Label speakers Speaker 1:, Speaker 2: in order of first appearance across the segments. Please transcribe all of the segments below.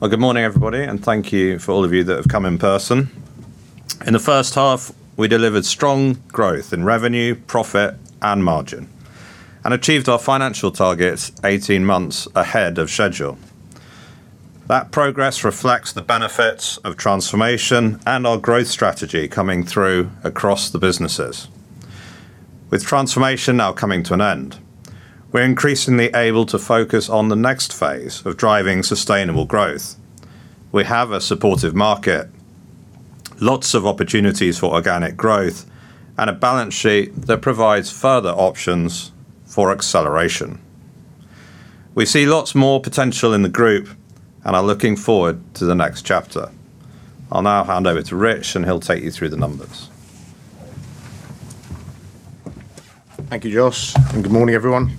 Speaker 1: Well, good morning everybody, and thank you for all of you that have come in person. In H1, we delivered strong growth in revenue, profit and margin, and achieved our financial targets 18 months ahead of schedule. That progress reflects the benefits of transformation and our growth strategy coming through across the businesses. With transformation now coming to an end, we're increasingly able to focus on the next phase of driving sustainable growth. We have a supportive market, lots of opportunities for organic growth, and a balance sheet that provides further options for acceleration. We see lots more potential in the group and are looking forward to the next chapter. I'll now hand over to Rich, and he'll take you through the numbers.
Speaker 2: Thank you, Jos, and good morning everyone.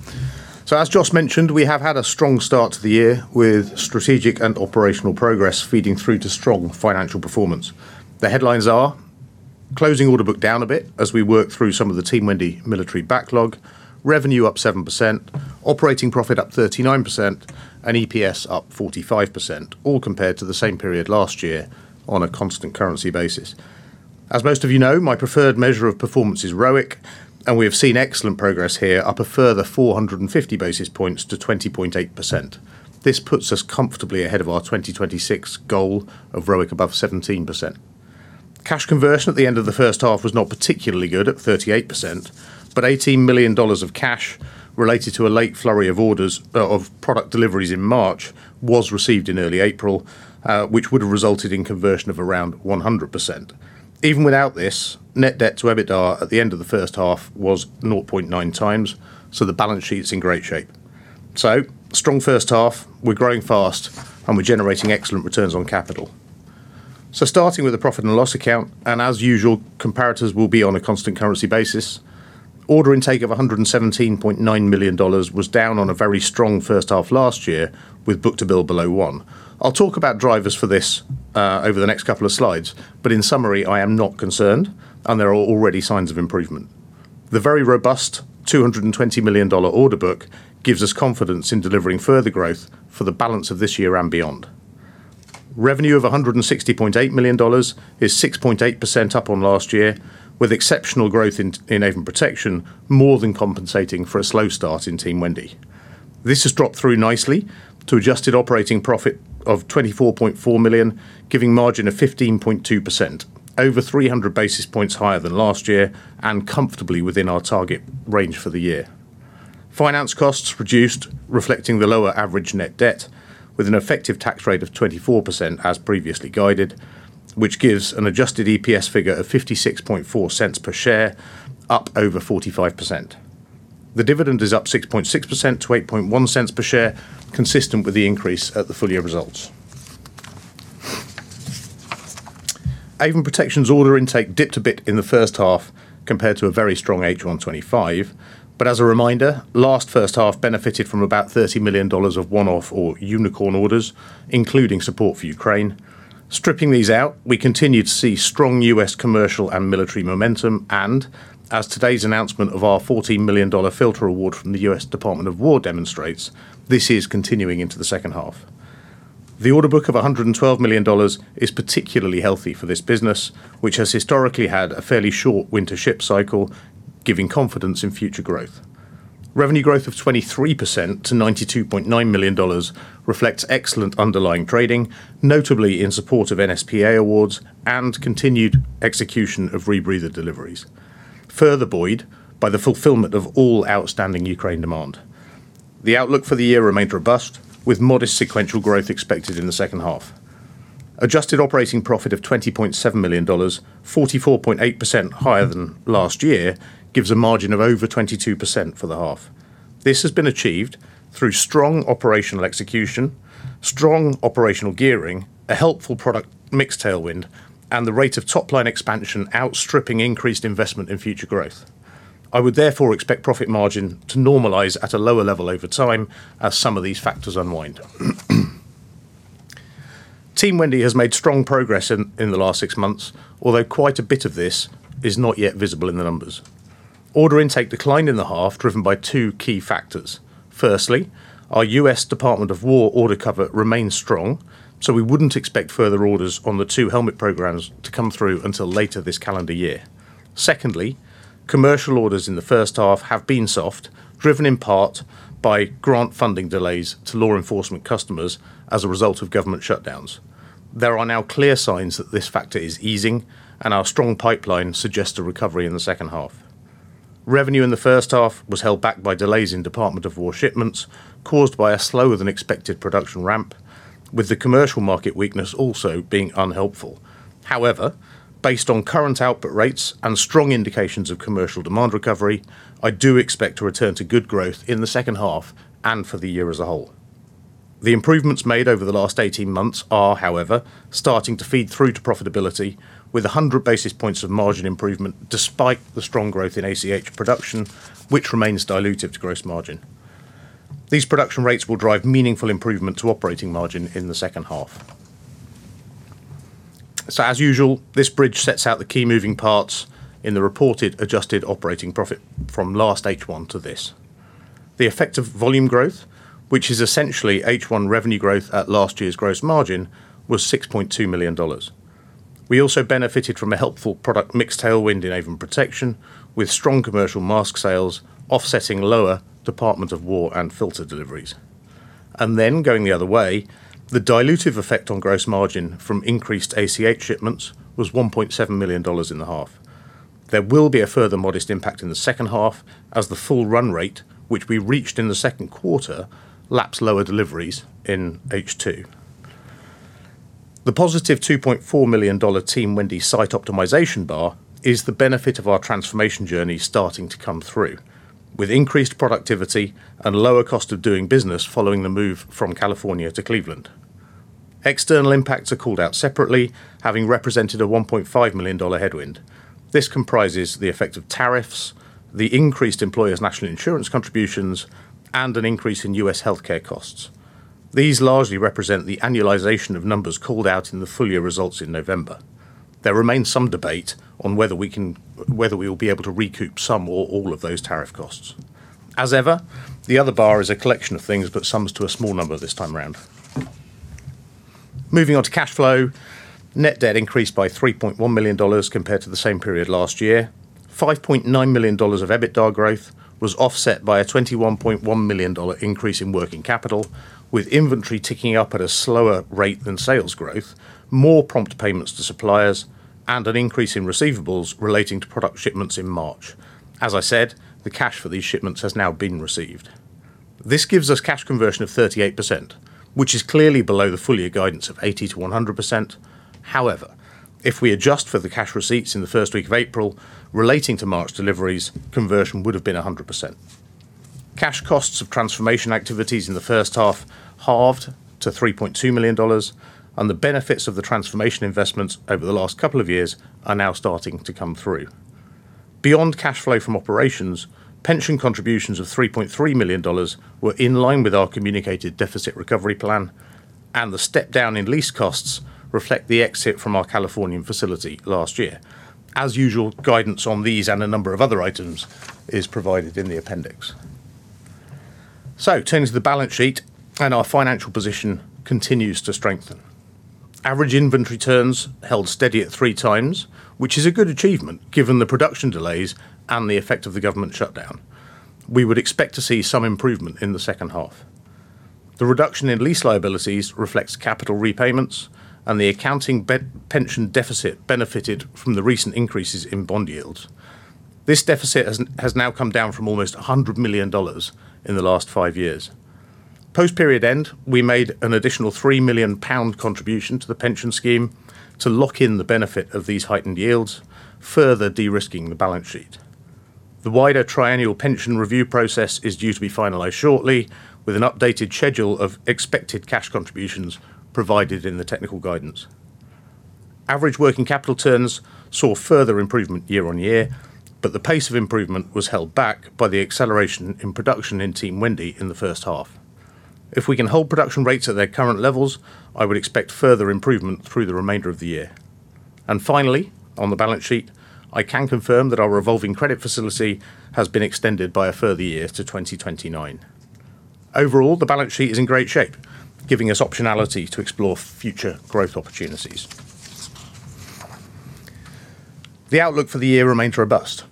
Speaker 2: As Jos mentioned, we have had a strong start to the year with strategic and operational progress feeding through to strong financial performance. The headlines are closing order book down a bit as we work through some of the Team Wendy military backlog. Revenue up 7%, operating profit up 39% and EPS up 45%, all compared to the same period last year on a constant currency basis. As most of you know, my preferred measure of performance is ROIC, and we have seen excellent progress here, up a further 450 basis points to 20.8%. This puts us comfortably ahead of our 2026 goal of ROIC above 17%. Cash conversion at the end of the first half was not particularly good at 38%, Eighteen million dollars of cash related to a late flurry of orders of product deliveries in March was received in early April, which would have resulted in conversion of around 100%. Even without this, net debt to EBITDA at the end of the first half was 0.9 times, the balance sheet's in great shape. Strong first half. We're growing fast and we're generating excellent returns on capital. Starting with the profit and loss account and as usual comparators will be on a constant currency basis. Order intake of GBP 117.9 million was down on a very strong first half last year with book-to-bill below 1. I'll talk about drivers for this over the next couple of slides. In summary, I am not concerned and there are already signs of improvement. The very robust $220 million order book gives us confidence in delivering further growth for the balance of this year and beyond. Revenue of $160.8 million is 6.8% up on last year, with exceptional growth in Avon Protection more than compensating for a slow start in Team Wendy. This has dropped through nicely to adjusted operating profit of 24.4 million, giving margin of 15.2% over 300 basis points higher than last year and comfortably within our target range for the year. Finance costs reduced, reflecting the lower average net debt with an effective tax rate of 24% as previously guided, which gives an adjusted EPS figure of 0.564 per share, up over 45%. The dividend is up 6.6% to 0.081 per share, consistent with the increase at the full year results. Avon Protection's order intake dipped a bit in H1 compared to a very strong H1 2025. As a reminder, last H1 benefited from about $30 million of one-off or unicorn orders, including support for Ukraine. Stripping these out, we continued to see strong U.S. commercial and military momentum, and as today's announcement of our $40 million filter award from the U.S. Department of War demonstrates, this is continuing into the second half. The order book of GBP 112 million is particularly healthy for this business, which has historically had a fairly short win-to-ship cycle, giving confidence in future growth. Revenue growth of 23% to GBP 92.9 million reflects excellent underlying trading, notably in support of NSPA awards and continued execution of rebreather deliveries, further buoyed by the fulfillment of all outstanding Ukraine demand. The outlook for the year remained robust, with modest sequential growth expected in H2. Adjusted operating profit of GBP 20.7 million, 44.8% higher than last year gives a margin of over 22% for the half. This has been achieved through strong operational execution, strong operational gearing, a helpful product mix tailwind and the rate of top line expansion outstripping increased investment in future growth. I would therefore expect profit margin to normalize at a lower level over time as some of these factors unwind. Team Wendy has made strong progress in the last six months, although quite a bit of this is not yet visible in the numbers. Order intake declined in the half driven by two key factors. Firstly, our U.S. Department of War order cover remains strong, so we wouldn't expect further orders on the two helmet programs to come through until later this calendar year. Secondly, commercial orders in H1 have been soft, driven in part by grant funding delays to law enforcement customers as a result of government shutdowns. There are now clear signs that this factor is easing, and our strong pipeline suggests a recovery in H2. Revenue in H1 was held back by delays in Department of War shipments caused by a slower than expected production ramp, with the commercial market weakness also being unhelpful. However, based on current output rates and strong indications of commercial demand recovery, I do expect to return to good growth in H2 and for the year as a whole. The improvements made over the last 18 months are, however, starting to feed through to profitability with 100 basis points of margin improvement despite the strong growth in ACH production, which remains dilutive to gross margin. These production rates will drive meaningful improvement to operating margin in H2. As usual, this bridge sets out the key moving parts in the reported adjusted operating profit from last H1 to this. The effect of volume growth, which is essentially H1 revenue growth at last year's gross margin, was $6.2 million. We also benefited from a helpful product mix tailwind in Avon Protection, with strong commercial mask sales offsetting lower Department of War and filter deliveries. Going the other way, the dilutive effect on gross margin from increased ACH shipments was $1.7 million in the half. There will be a further modest impact in the second half as the full run rate, which we reached in the second quarter, laps lower deliveries in H2. The positive $2.4 million Team Wendy site optimization bar is the benefit of our transformation journey starting to come through, with increased productivity and lower cost of doing business following the move from California to Cleveland. External impacts are called out separately, having represented a $1.5 million headwind. This comprises the effect of tariffs, the increased employer's National Insurance contributions, and an increase in U.S. healthcare costs. These largely represent the annualization of numbers called out in the full year results in November. There remains some debate on whether we will be able to recoup some or all of those tariff costs. As ever, the other bar is a collection of things, but sums to a small number this time around. Moving on to cash flow, net debt increased by $3.1 million compared to the same period last year. $5.9 million of EBITDA growth was offset by a $21.1 million increase in working capital, with inventory ticking up at a slower rate than sales growth, more prompt payments to suppliers and an increase in receivables relating to product shipments in March. As I said, the cash for these shipments has now been received. This gives us cash conversion of 38%, which is clearly below the full year guidance of 80%-100%. However, if we adjust for the cash receipts in the first week of April relating to March deliveries, conversion would have been 100%. Cash costs of transformation activities in the first half halved to $3.2 million, and the benefits of the transformation investments over the last couple of years are now starting to come through. Beyond cash flow from operations, pension contributions of GBP 3.3 million were in line with our communicated deficit recovery plan, and the step down in lease costs reflect the exit from our Californian facility last year. As usual, guidance on these and a number of other items is provided in the appendix. Turning to the balance sheet and our financial position continues to strengthen. Average inventory turns held steady at three times, which is a good achievement given the production delays and the effect of the government shutdown. We would expect to see some improvement in the second half. The reduction in lease liabilities reflects capital repayments and the accounting pension deficit benefited from the recent increases in bond yields. This deficit has now come down from almost GBP 100 million in the last five years. Post period end, we made an additional 3 million pound contribution to the pension scheme to lock in the benefit of these heightened yields, further de-risking the balance sheet. The wider triennial pension review process is due to be finalized shortly, with an updated schedule of expected cash contributions provided in the technical guidance. Average working capital turns saw further improvement year-on-year, but the pace of improvement was held back by the acceleration in production in Team Wendy in the first half. If we can hold production rates at their current levels, I would expect further improvement through the remainder of the year. Finally, on the balance sheet, I can confirm that our revolving credit facility has been extended by a further year to 2029. Overall, the balance sheet is in great shape, giving us optionality to explore future growth opportunities. The outlook for the year remains robust.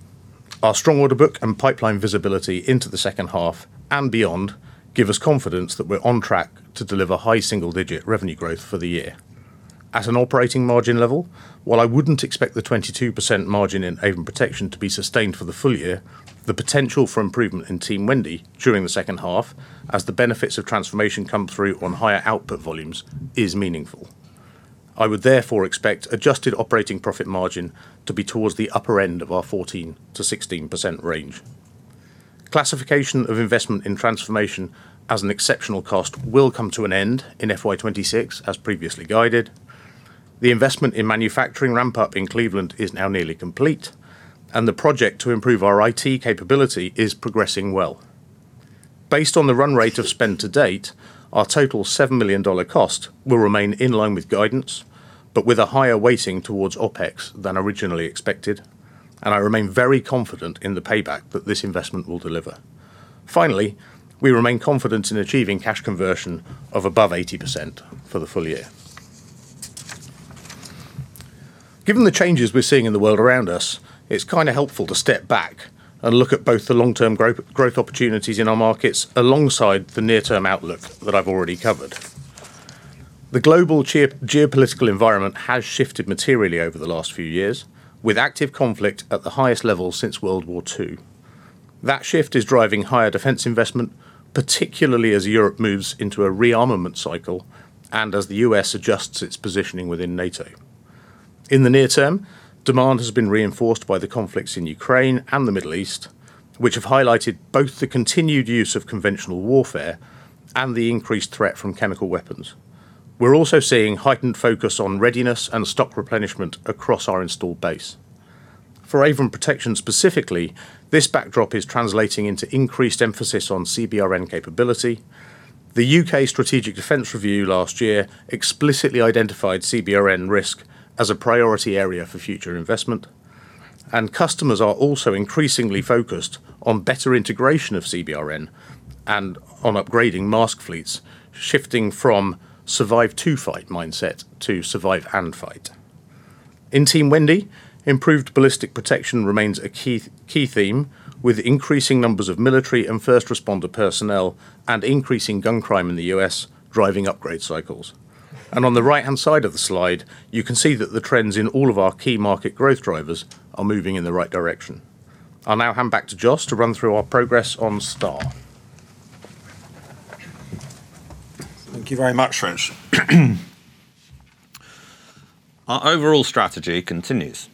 Speaker 2: Our strong order book and pipeline visibility into the second half and beyond give us confidence that we're on track to deliver high single-digit revenue growth for the year. At an operating margin level, while I wouldn't expect the 22% margin in Avon Protection to be sustained for the full year, the potential for improvement in Team Wendy during the second half as the benefits of transformation come through on higher output volumes is meaningful. I would therefore expect adjusted operating profit margin to be towards the upper end of our 14%-16% range. Classification of investment in transformation as an exceptional cost will come to an end in FY 2026 as previously guided. The investment in manufacturing ramp-up in Cleveland is now nearly complete, and the project to improve our IT capability is progressing well. Based on the run rate of spend to date, our total GBP 7 million cost will remain in line with guidance, but with a higher weighting towards Opex than originally expected. I remain very confident in the payback that this investment will deliver. Finally, we remain confident in achieving cash conversion of above 80% for the full year. Given the changes we're seeing in the world around us, it's kind of helpful to step back and look at both the long-term growth opportunities in our markets alongside the near-term outlook that I've already covered. The global geopolitical environment has shifted materially over the last few years, with active conflict at the highest level since World War II. That shift is driving higher defense investment, particularly as Europe moves into a re-armament cycle and as the U.S. adjusts its positioning within NATO. In the near term, demand has been reinforced by the conflicts in Ukraine and the Middle East, which have highlighted both the continued use of conventional warfare and the increased threat from chemical weapons. We're also seeing heightened focus on readiness and stock replenishment across our installed base. For Avon Protection specifically, this backdrop is translating into increased emphasis on CBRN capability. The U.K. Strategic Defence Review last year explicitly identified CBRN risk as a priority area for future investment, and customers are also increasingly focused on better integration of CBRN and on upgrading mask fleets, shifting from survive to fight mindset to survive and fight. In Team Wendy, improved ballistic protection remains a key theme with increasing numbers of military and first responder personnel and increasing gun crime in the U.S. driving upgrade cycles. On the right-hand side of the slide, you can see that the trends in all of our key market growth drivers are moving in the right direction. I'll now hand back to Jos to run through our progress on STAR.
Speaker 1: Thank you very much, Rich. Our overall strategy continues,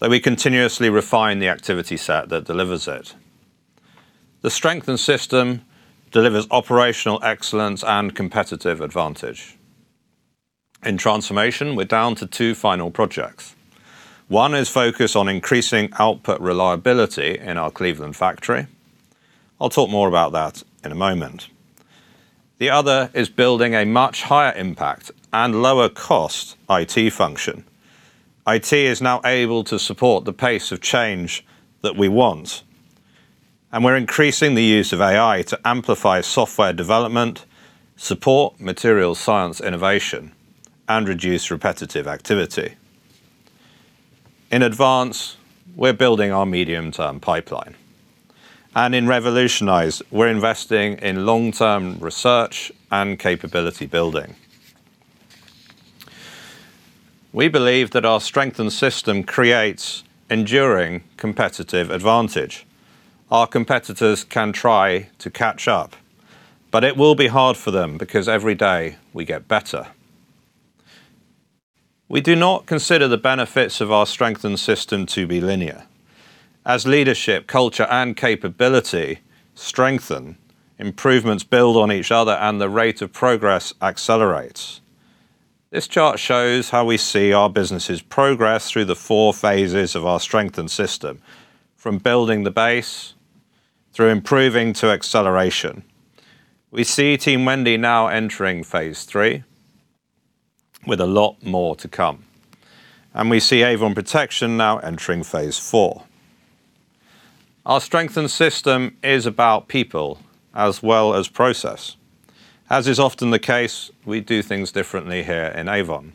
Speaker 1: that we continuously refine the activity set that delivers it. The strength in system delivers operational excellence and competitive advantage. In Transformation, we're down to two final projects. One is focused on increasing output reliability in our Cleveland factory. I'll talk more about that in a moment. The other is building a much higher impact and lower cost IT function. IT is now able to support the pace of change that we want, and we're increasing the use of AI to amplify software development, support material science innovation, and reduce repetitive activity. In Advance, we're building our medium-term pipeline. In Revolutionize, we're investing in long-term research and capability building. We believe that our strength in system creates enduring competitive advantage. Our competitors can try to catch up, but it will be hard for them because every day we get better. We do not consider the benefits of our strength in system to be linear. As leadership, culture, and capability strengthen, improvements build on each other and the rate of progress accelerates. This chart shows how we see our businesses progress through the four phases of our strength in system, from building the base through improving to acceleration. We see Team Wendy now entering phase three with a lot more to come, and we see Avon Protection now entering phase four. Our strength in system is about people as well as process. As is often the case, we do things differently here in Avon.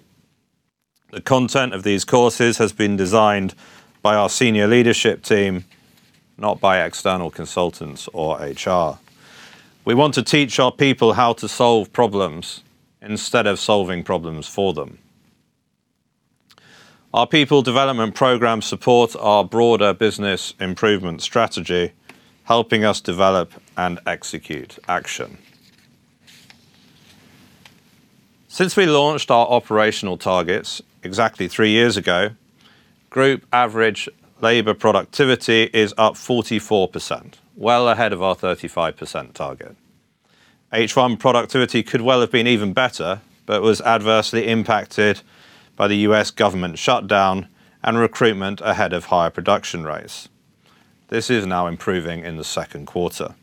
Speaker 1: The content of these courses has been designed by our senior leadership team, not by external consultants or HR. We want to teach our people how to solve problems instead of solving problems for them. Our people development program supports our broader business improvement strategy, helping us develop and execute action. Since we launched our operational targets exactly three years ago, group average labor productivity is up 44%, well ahead of our 35% target. H1 productivity could well have been even better but was adversely impacted by the U.S. government shutdown and recruitment ahead of higher production rates. This is now improving in the 2nd quarter.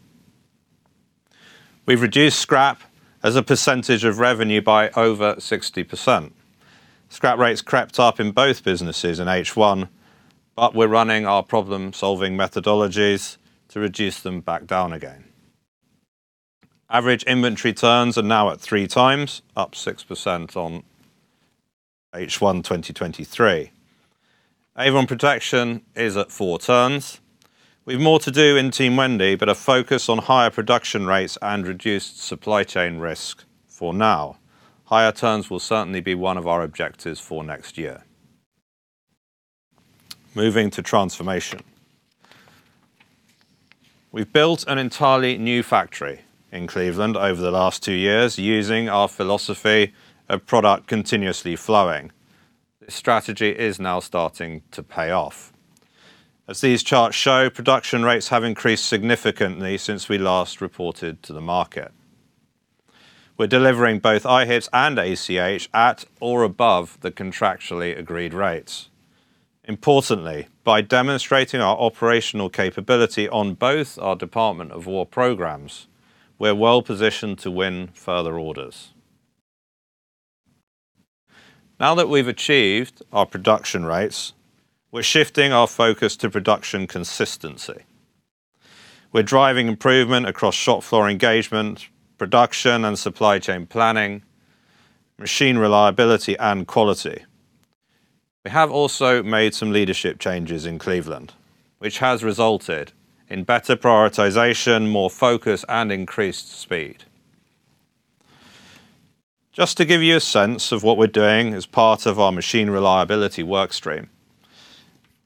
Speaker 1: We've reduced scrap as a percentage of revenue by over 60%. Scrap rates crept up in both businesses in H1, but we're running our problem-solving methodologies to reduce them back down again. Average inventory turns are now at three times, up 6% on H1 2023. Avon Protection is at four turns. We have more to do in Team Wendy, a focus on higher production rates and reduced supply chain risk for now. Higher turns will certainly be one of our objectives for next year. Moving to transformation. We've built an entirely new factory in Cleveland over the last two years using our philosophy of product continuously flowing. This strategy is now starting to pay off. As these charts show, production rates have increased significantly since we last reported to the market. We're delivering both IHIPS and ACH at or above the contractually agreed rates. Importantly, by demonstrating our operational capability on both our Department of War programs, we're well-positioned to win further orders. Now that we've achieved our production rates, we're shifting our focus to production consistency. We're driving improvement across shop floor engagement, production and supply chain planning, machine reliability, and quality. We have also made some leadership changes in Cleveland, which has resulted in better prioritization, more focus, and increased speed. Just to give you a sense of what we're doing as part of our machine reliability workstream,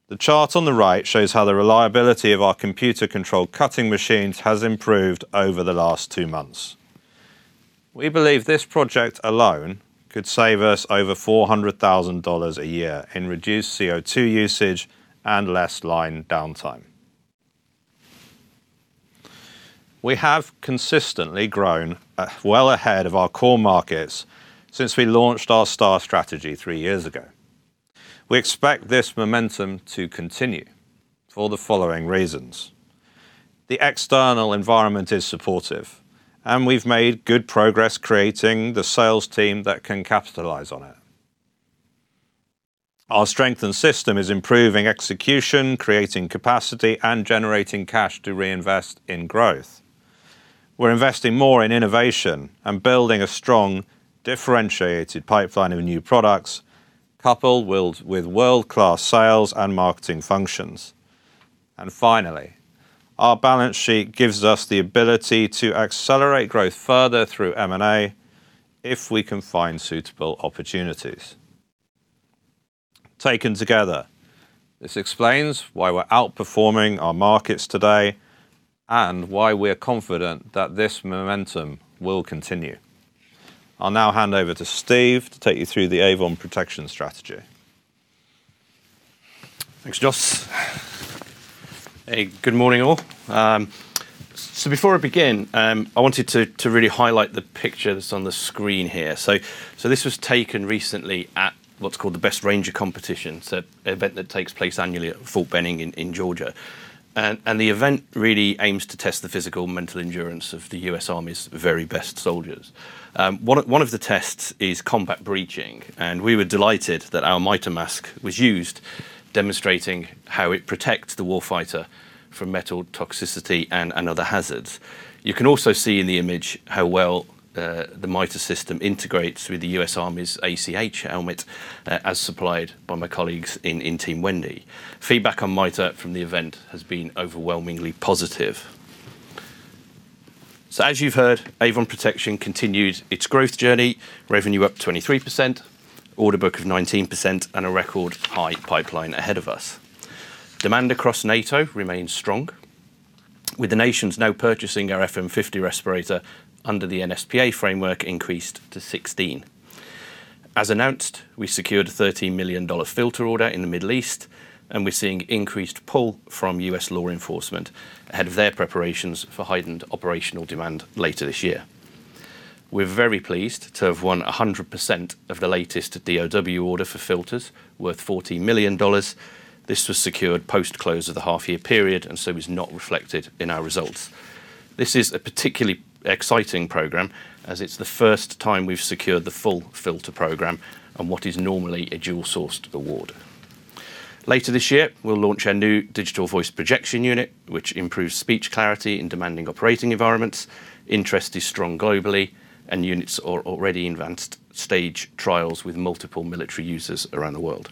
Speaker 1: the chart on the right shows how the reliability of our computer-controlled cutting machines has improved over the last two months. We believe this project alone could save us over GBP 400,000 a year in reduced CO2 usage and less line downtime. We have consistently grown well ahead of our core markets since we launched our STAR strategy three years ago. We expect this momentum to continue for the following reasons. The external environment is supportive, and we've made good progress creating the sales team that can capitalize on it. Our strength in system is improving execution, creating capacity, and generating cash to reinvest in growth. We're investing more in innovation and building a strong, differentiated pipeline of new products, with world-class sales and marketing functions. Finally, our balance sheet gives us the ability to accelerate growth further through M&A if we can find suitable opportunities. Taken together, this explains why we're outperforming our markets today and why we're confident that this momentum will continue. I'll now hand over to Steve to take you through the Avon Protection strategy.
Speaker 3: Thanks, Joss. Hey, good morning, all. Before I begin, I wanted to really highlight the picture that's on the screen here. This was taken recently at what's called the Best Ranger Competition, it's a event that takes place annually at Fort Benning in Georgia. The event really aims to test the physical and mental endurance of the U.S. Army's very best soldiers. One of the tests is combat breaching, and we were delighted that our MITR-M1 mask was used, demonstrating how it protects the war fighter from metal toxicity and other hazards. You can also see in the image how well the MITR-M1 system integrates with the U.S. Army's ACH helmet, as supplied by my colleagues in Team Wendy. Feedback on MITR-M1 from the event has been overwhelmingly positive. As you've heard, Avon Protection continues its growth journey, revenue up 23%, order book of 19%, and a record high pipeline ahead of us. Demand across NATO remains strong, with the nations now purchasing our FM50 respirator under the NSPA framework increased to 16. As announced, we secured a $13 million filter order in the Middle East, and we're seeing increased pull from U.S. law enforcement ahead of their preparations for heightened operational demand later this year. We're very pleased to have won 100% of the latest DoD order for filters worth $40 million. This was secured post-close of the half-year period and so is not reflected in our results. This is a particularly exciting program, as it's the first time we've secured the full filter program on what is normally a dual-sourced award. Later this year, we'll launch our new digital voice projection unit, which improves speech clarity in demanding operating environments. Interest is strong globally, and units are already in advanced stage trials with multiple military users around the world.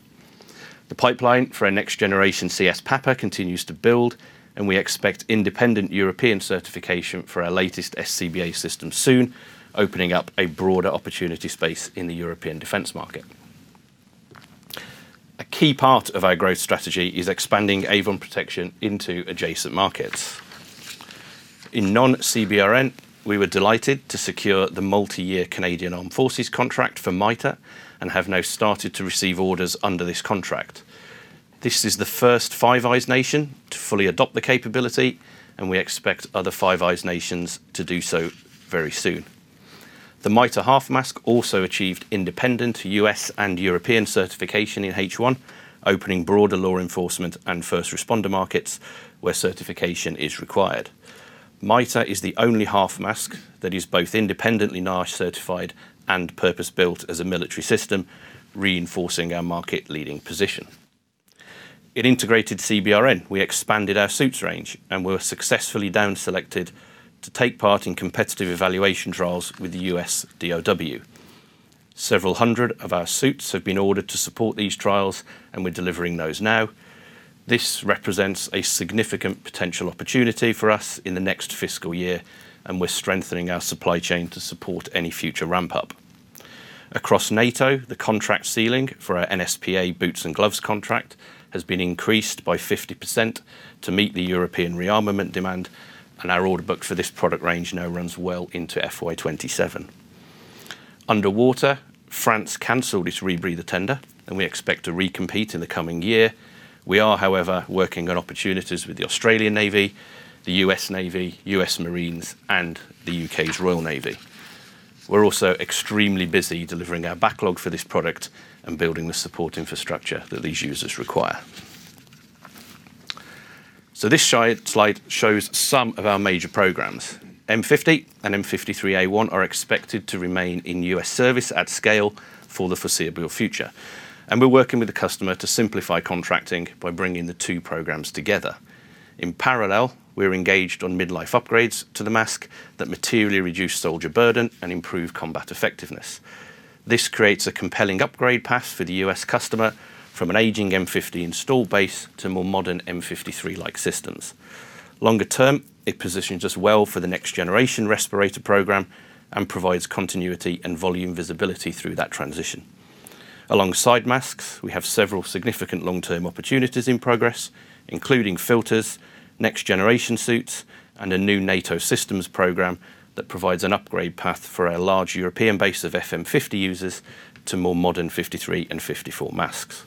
Speaker 3: The pipeline for our next-generation CS-PAPR continues to build, and we expect independent European certification for our latest SCBA system soon, opening up a broader opportunity space in the European defense market. A key part of our growth strategy is expanding Avon Protection into adjacent markets. In non-CBRN, we were delighted to secure the multi-year Canadian Armed Forces contract for MITR-M1 and have now started to receive orders under this contract. This is the first Five Eyes nation to fully adopt the capability, and we expect other Five Eyes nations to do so very soon. The MITR-M1 half mask also achieved independent U.S. and European certification in H1, opening broader law enforcement and first responder markets where certification is required. MITR-M1 is the only half mask that is both independently NIOSH-certified and purpose-built as a military system, reinforcing our market-leading position. In integrated CBRN, we expanded our suits range and were successfully down selected to take part in competitive evaluation trials with the U.S. DOW. Several hundred of our suits have been ordered to support these trials, and we're delivering those now. This represents a significant potential opportunity for us in the next fiscal year, and we're strengthening our supply chain to support any future ramp-up. Across NATO, the contract ceiling for our NSPA boots and gloves contract has been increased by 50% to meet the European rearmament demand, and our order book for this product range now runs well into FY 2027. Underwater, France canceled its rebreather tender. We expect to recompete in the coming year. We are, however, working on opportunities with the Australian Navy, the U.S. Navy, U.S. Marines, and the U.K.'s Royal Navy. We're also extremely busy delivering our backlog for this product and building the support infrastructure that these users require. This slide shows some of our major programs. M50 and M53A1 are expected to remain in U.S. service at scale for the foreseeable future. We're working with the customer to simplify contracting by bringing the two programs together. In parallel, we're engaged on midlife upgrades to the mask that materially reduce soldier burden and improve combat effectiveness. This creates a compelling upgrade path for the U.S. customer from an aging M50 installed base to more modern M53-like systems. Longer term, it positions us well for the next-generation respirator program and provides continuity and volume visibility through that transition. Alongside masks, we have several significant long-term opportunities in progress, including filters, next-generation suits, and a new NATO systems program that provides an upgrade path for our large European base of FM50 users to more modern M53 and FM54 masks.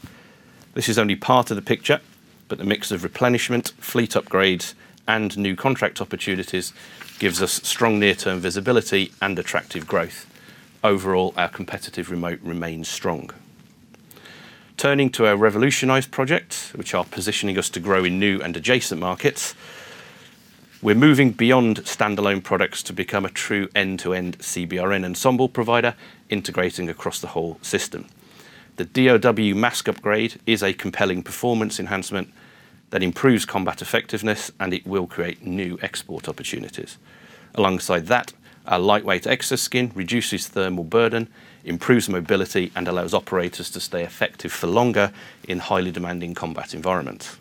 Speaker 3: This is only part of the picture, but the mix of replenishment, fleet upgrades, and new contract opportunities gives us strong near-term visibility and attractive growth. Overall, our competitive moat remains strong. Turning to our revolutionized projects, which are positioning us to grow in new and adjacent markets, we're moving beyond standalone products to become a true end-to-end CBRN ensemble provider, integrating across the whole system. The DoD mask upgrade is a compelling performance enhancement that improves combat effectiveness, and it will create new export opportunities. Alongside that, our lightweight EXOSKIN reduces thermal burden, improves mobility, and allows operators to stay effective for longer in highly demanding combat environments.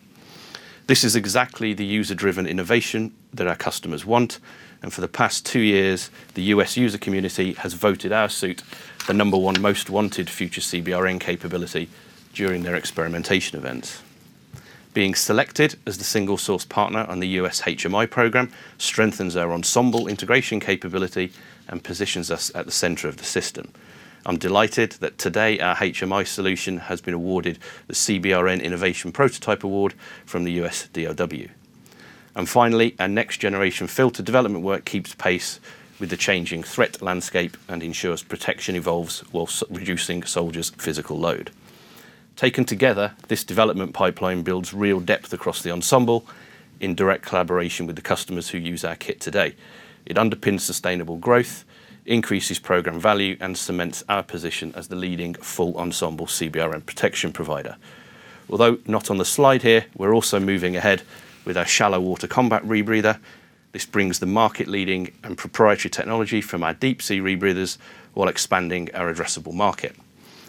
Speaker 3: This is exactly the user-driven innovation that our customers want, and for the past two years, the U.S. user community has voted our suit the number one most wanted future CBRN capability during their experimentation events. Being selected as the single source partner on the U.S. HMI program strengthens our ensemble integration capability and positions us at the center of the system. I'm delighted that today our HMI solution has been awarded the CWMD Innovation Prototype Award from the U.S. Department of War. Finally, our next generation filter development work keeps pace with the changing threat landscape and ensures protection evolves while reducing soldiers' physical load. Taken together, this development pipeline builds real depth across the ensemble in direct collaboration with the customers who use our kit today. It underpins sustainable growth, increases program value, and cements our position as the leading full ensemble CBRN protection provider. Although not on the slide here, we're also moving ahead with our shallow water combat rebreather. This brings the market leading and proprietary technology from our deep sea rebreathers while expanding our addressable market.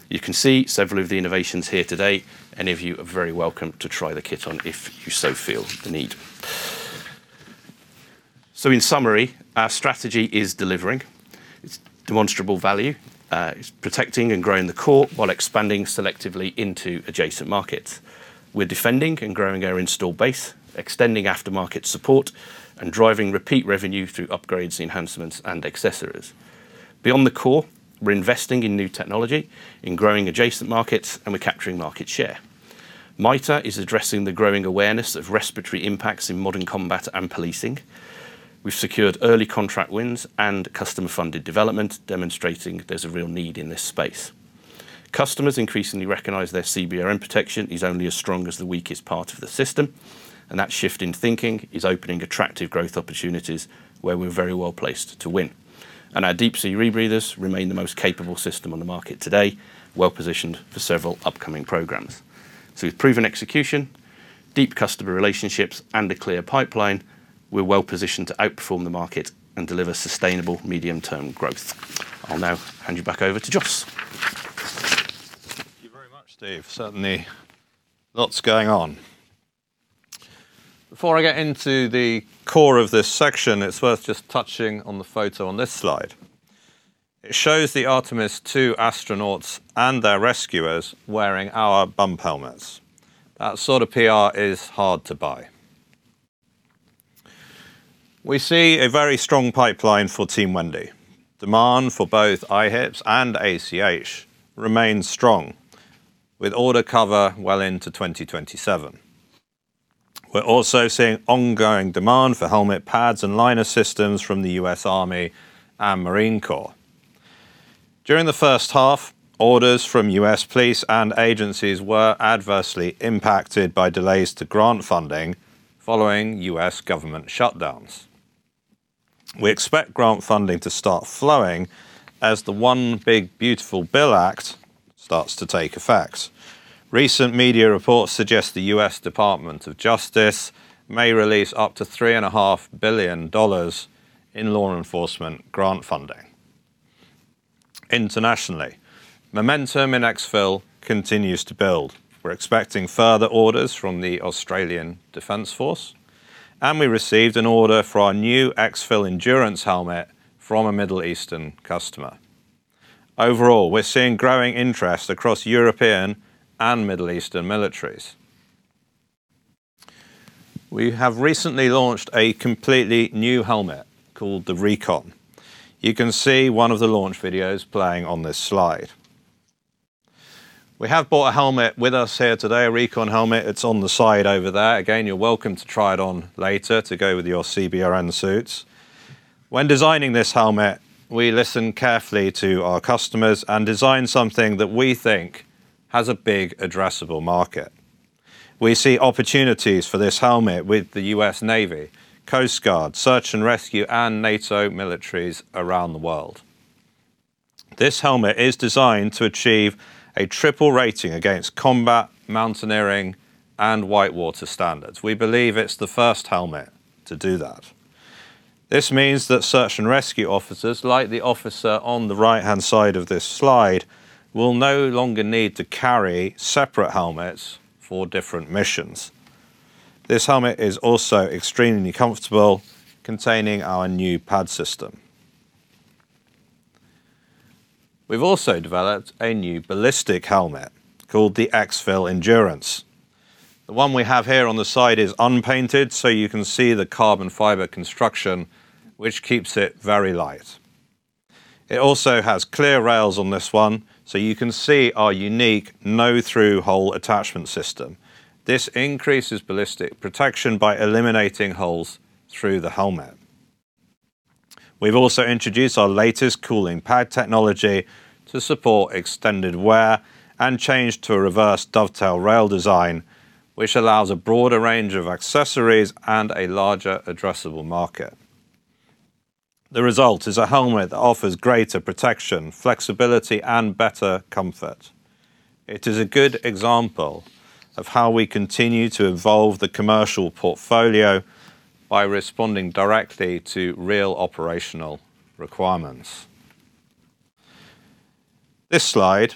Speaker 3: You can see several of the innovations here today. Any of you are very welcome to try the kit on if you so feel the need. In summary, our strategy is delivering. It's demonstrable value. It's protecting and growing the core while expanding selectively into adjacent markets. We're defending and growing our install base, extending aftermarket support, and driving repeat revenue through upgrades, enhancements, and accessories. Beyond the core, we're investing in new technology, in growing adjacent markets, and we're capturing market share. MITR-M1 is addressing the growing awareness of respiratory impacts in modern combat and policing. We've secured early contract wins and customer funded development, demonstrating there's a real need in this space. Customers increasingly recognize their CBRN protection is only as strong as the weakest part of the system, that shift in thinking is opening attractive growth opportunities where we're very well-placed to win. Our deep sea rebreathers remain the most capable system on the market today, well-positioned for several upcoming programs. With proven execution, deep customer relationships, and a clear pipeline, we're well-positioned to outperform the market and deliver sustainable medium-term growth. I'll now hand you back over to Jos.
Speaker 1: Thank you very much, Steve. Certainly lots going on. Before I get into the core of this section, it's worth just touching on the photo on this slide. It shows the Artemis II astronauts and their rescuers wearing our bump helmets. That sort of PR is hard to buy. We see a very strong pipeline for Team Wendy. Demand for both IHIPs and ACH remains strong, with order cover well into 2027. We're also seeing ongoing demand for helmet pads and liner systems from the U.S. Army and Marine Corps. During the first half, orders from U.S. police and agencies were adversely impacted by delays to grant funding following U.S. government shutdowns. We expect grant funding to start flowing as the One Big Beautiful Bill Act starts to take effect. Recent media reports suggest the U.S. Department of Justice may release up to $3.5 billion in law enforcement grant funding. Internationally, momentum in EXFIL continues to build. We're expecting further orders from the Australian Defence Force, and we received an order for our new EXFIL Endurance helmet from a Middle Eastern customer. Overall, we're seeing growing interest across European and Middle Eastern militaries. We have recently launched a completely new helmet called the RECON. You can see one of the launch videos playing on this slide. We have brought a helmet with us here today, a RECON helmet. It's on the side over there. Again, you're welcome to try it on later to go with your CBRN suits. When designing this helmet, we listened carefully to our customers and designed something that we think has a big addressable market. We see opportunities for this helmet with the U.S. Navy, Coast Guard, Search and Rescue, and NATO militaries around the world. This helmet is designed to achieve a triple rating against combat, mountaineering, and white water standards. We believe it's the first helmet to do that. This means that search and rescue officers, like the officer on the right-hand side of this slide, will no longer need to carry separate helmets for different missions. This helmet is also extremely comfortable, containing our new pad system. We've also developed a new ballistic helmet called the EXFIL Endurance. The one we have here on the side is unpainted, so you can see the carbon fiber construction, which keeps it very light. It also has clear rails on this one, so you can see our unique no-through-hole attachment system. This increases ballistic protection by eliminating holes through the helmet. We've also introduced our latest cooling pad technology to support extended wear and changed to a reverse dovetail rail design, which allows a broader range of accessories and a larger addressable market. The result is a helmet that offers greater protection, flexibility, and better comfort. It is a good example of how we continue to evolve the commercial portfolio by responding directly to real operational requirements. This slide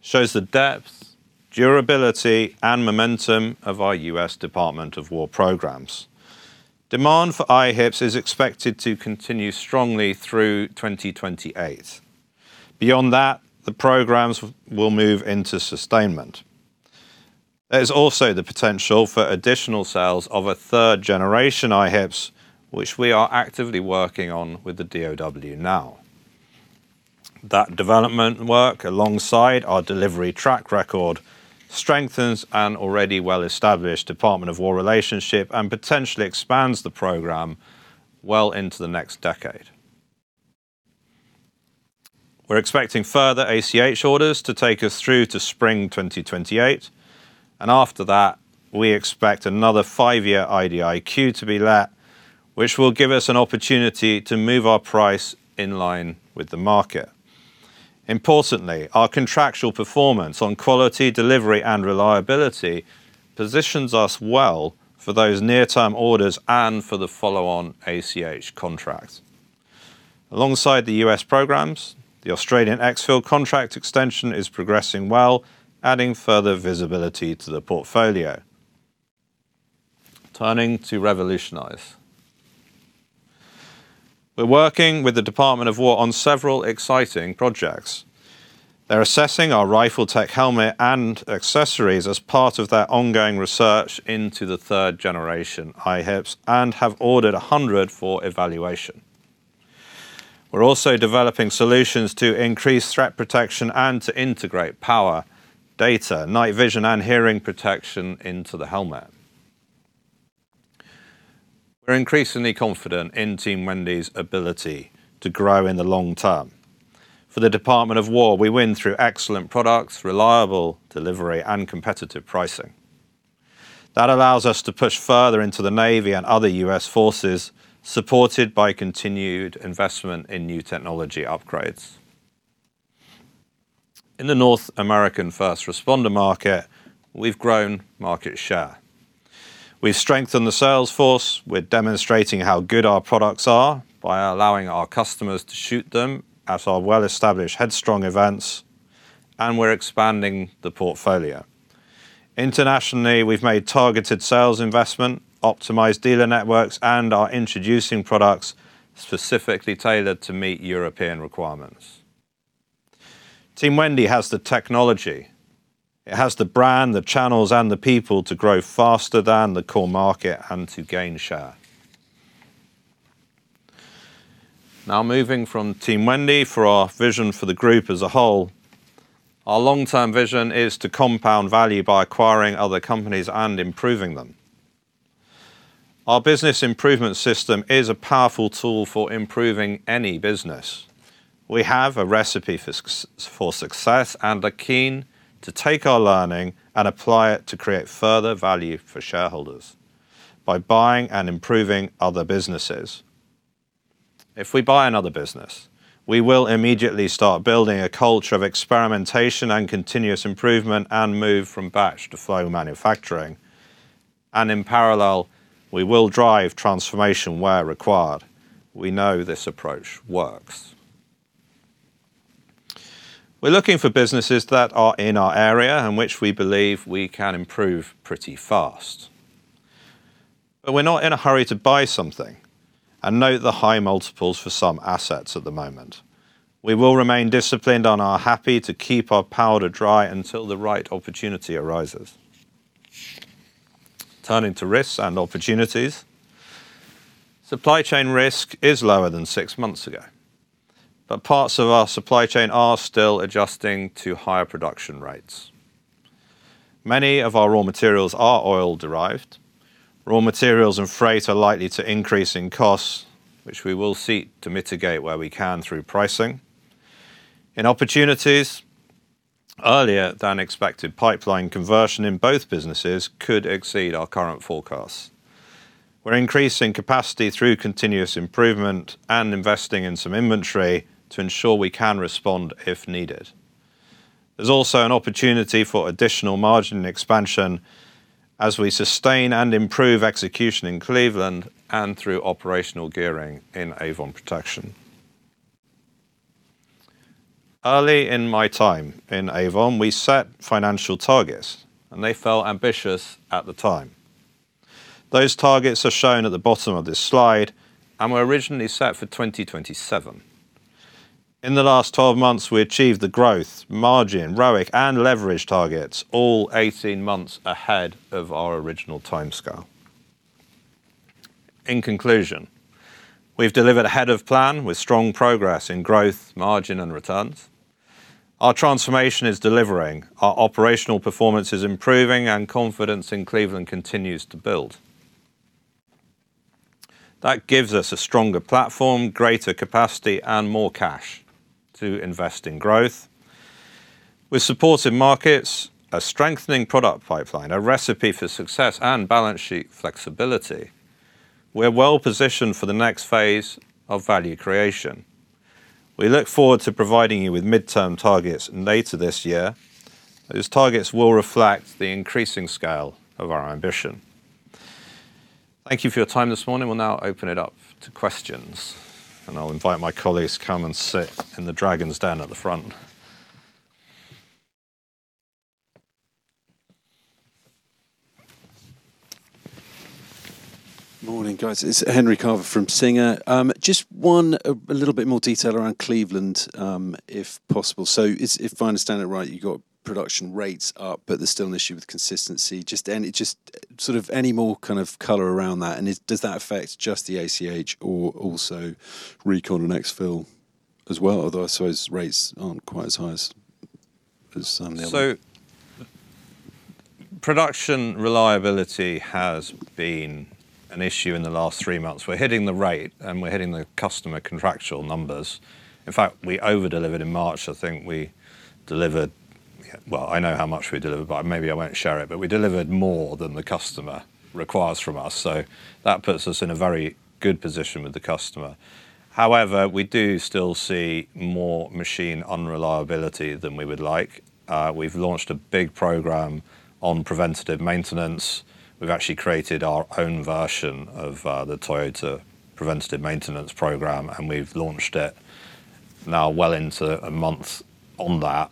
Speaker 1: shows the depth, durability, and momentum of our U.S. Department of War programs. Demand for IHIPS is expected to continue strongly through 2028. Beyond that, the programs will move into sustainment. There's also the potential for additional sales of a 3rd generation IHIPS, which we are actively working on with the Department of War now. That development work alongside our delivery track record strengthens an already well-established Department of War relationship and potentially expands the program well into the next decade. We're expecting further ACH orders to take us through to spring 2028, and after that, we expect another five-year IDIQ to be let which will give us an opportunity to move our price in line with the market. Importantly, our contractual performance on quality, delivery, and reliability positions us well for those near-term orders and for the follow-on ACH contracts. Alongside the U.S. programs, the Australian EXFIL contract extension is progressing well, adding further visibility to the portfolio. Turning to revolutionize. We're working with the Department of War on several exciting projects. They're assessing our RIFLETECH helmet and accessories as part of their ongoing research into the 3rd generation IHIPS and have ordered 100 for evaluation. We're also developing solutions to increase threat protection and to integrate power, data, night vision, and hearing protection into the helmet. We're increasingly confident in Team Wendy's ability to grow in the long term. For the Department of War, we win through excellent products, reliable delivery, and competitive pricing. That allows us to push further into the Navy and other U.S. forces, supported by continued investment in new technology upgrades. In the North American first responder market, we've grown market share. We've strengthened the sales force. We're demonstrating how good our products are by allowing our customers to shoot them at our well-established Headstrong events, and we're expanding the portfolio. Internationally, we've made targeted sales investment, optimized dealer networks, and are introducing products specifically tailored to meet European requirements. Team Wendy has the technology. It has the brand, the channels, and the people to grow faster than the core market and to gain share. Moving from Team Wendy for our vision for the group as a whole. Our long-term vision is to compound value by acquiring other companies and improving them. Our business improvement system is a powerful tool for improving any business. We have a recipe for success and are keen to take our learning and apply it to create further value for shareholders by buying and improving other businesses. If we buy another business, we will immediately start building a culture of experimentation and continuous improvement and move from batch to flow manufacturing. In parallel, we will drive transformation where required. We know this approach works. We're looking for businesses that are in our area and which we believe we can improve pretty fast. We're not in a hurry to buy something and note the high multiples for some assets at the moment. We will remain disciplined and are happy to keep our powder dry until the right opportunity arises. Turning to risks and opportunities. Supply chain risk is lower than six months ago, but parts of our supply chain are still adjusting to higher production rates. Many of our raw materials are oil-derived. Raw materials and freight are likely to increase in costs, which we will seek to mitigate where we can through pricing. In opportunities, earlier than expected pipeline conversion in both businesses could exceed our current forecasts. We're increasing capacity through continuous improvement and investing in some inventory to ensure we can respond if needed. There's also an opportunity for additional margin expansion as we sustain and improve execution in Cleveland and through operational gearing in Avon Protection. Early in my time in Avon, we set financial targets, and they felt ambitious at the time. Those targets are shown at the bottom of this slide and were originally set for 2027. In the last 12 months, we achieved the growth, margin, ROIC, and leverage targets all 18 months ahead of our original timescale. In conclusion, we've delivered ahead of plan with strong progress in growth, margin, and returns. Our transformation is delivering, our operational performance is improving, and confidence in Cleveland continues to build. That gives us a stronger platform, greater capacity, and more cash to invest in growth. With supportive markets, a strengthening product pipeline, a recipe for success, and balance sheet flexibility, we're well-positioned for the next phase of value creation. We look forward to providing you with midterm targets later this year. Those targets will reflect the increasing scale of our ambition. Thank you for your time this morning. We'll now open it up to questions, and I'll invite my colleagues to come and sit in the dragon's den at the front.
Speaker 4: Morning, guys. It's Henry Carver from Singer. Just one, a little bit more detail around Cleveland, if possible. If I understand it right, you've got production rates up, but there's still an issue with consistency. Just any, just sort of any more kind of color around that, and does that affect just the ACH or also RECON and EXFIL as well? Although I suppose rates aren't quite as high as some of the other-
Speaker 1: Production reliability has been an issue in the last three months. We're hitting the rate, and we're hitting the customer contractual numbers. In fact, we over-delivered in March. I think we delivered Well, I know how much we delivered, but maybe I won't share it. We delivered more than the customer requires from us, so that puts us in a very good position with the customer. However, we do still see more machine unreliability than we would like. We've launched a big program on preventative maintenance. We've actually created our own version of the Toyota preventative maintenance program, and we've launched it now well into a month on that.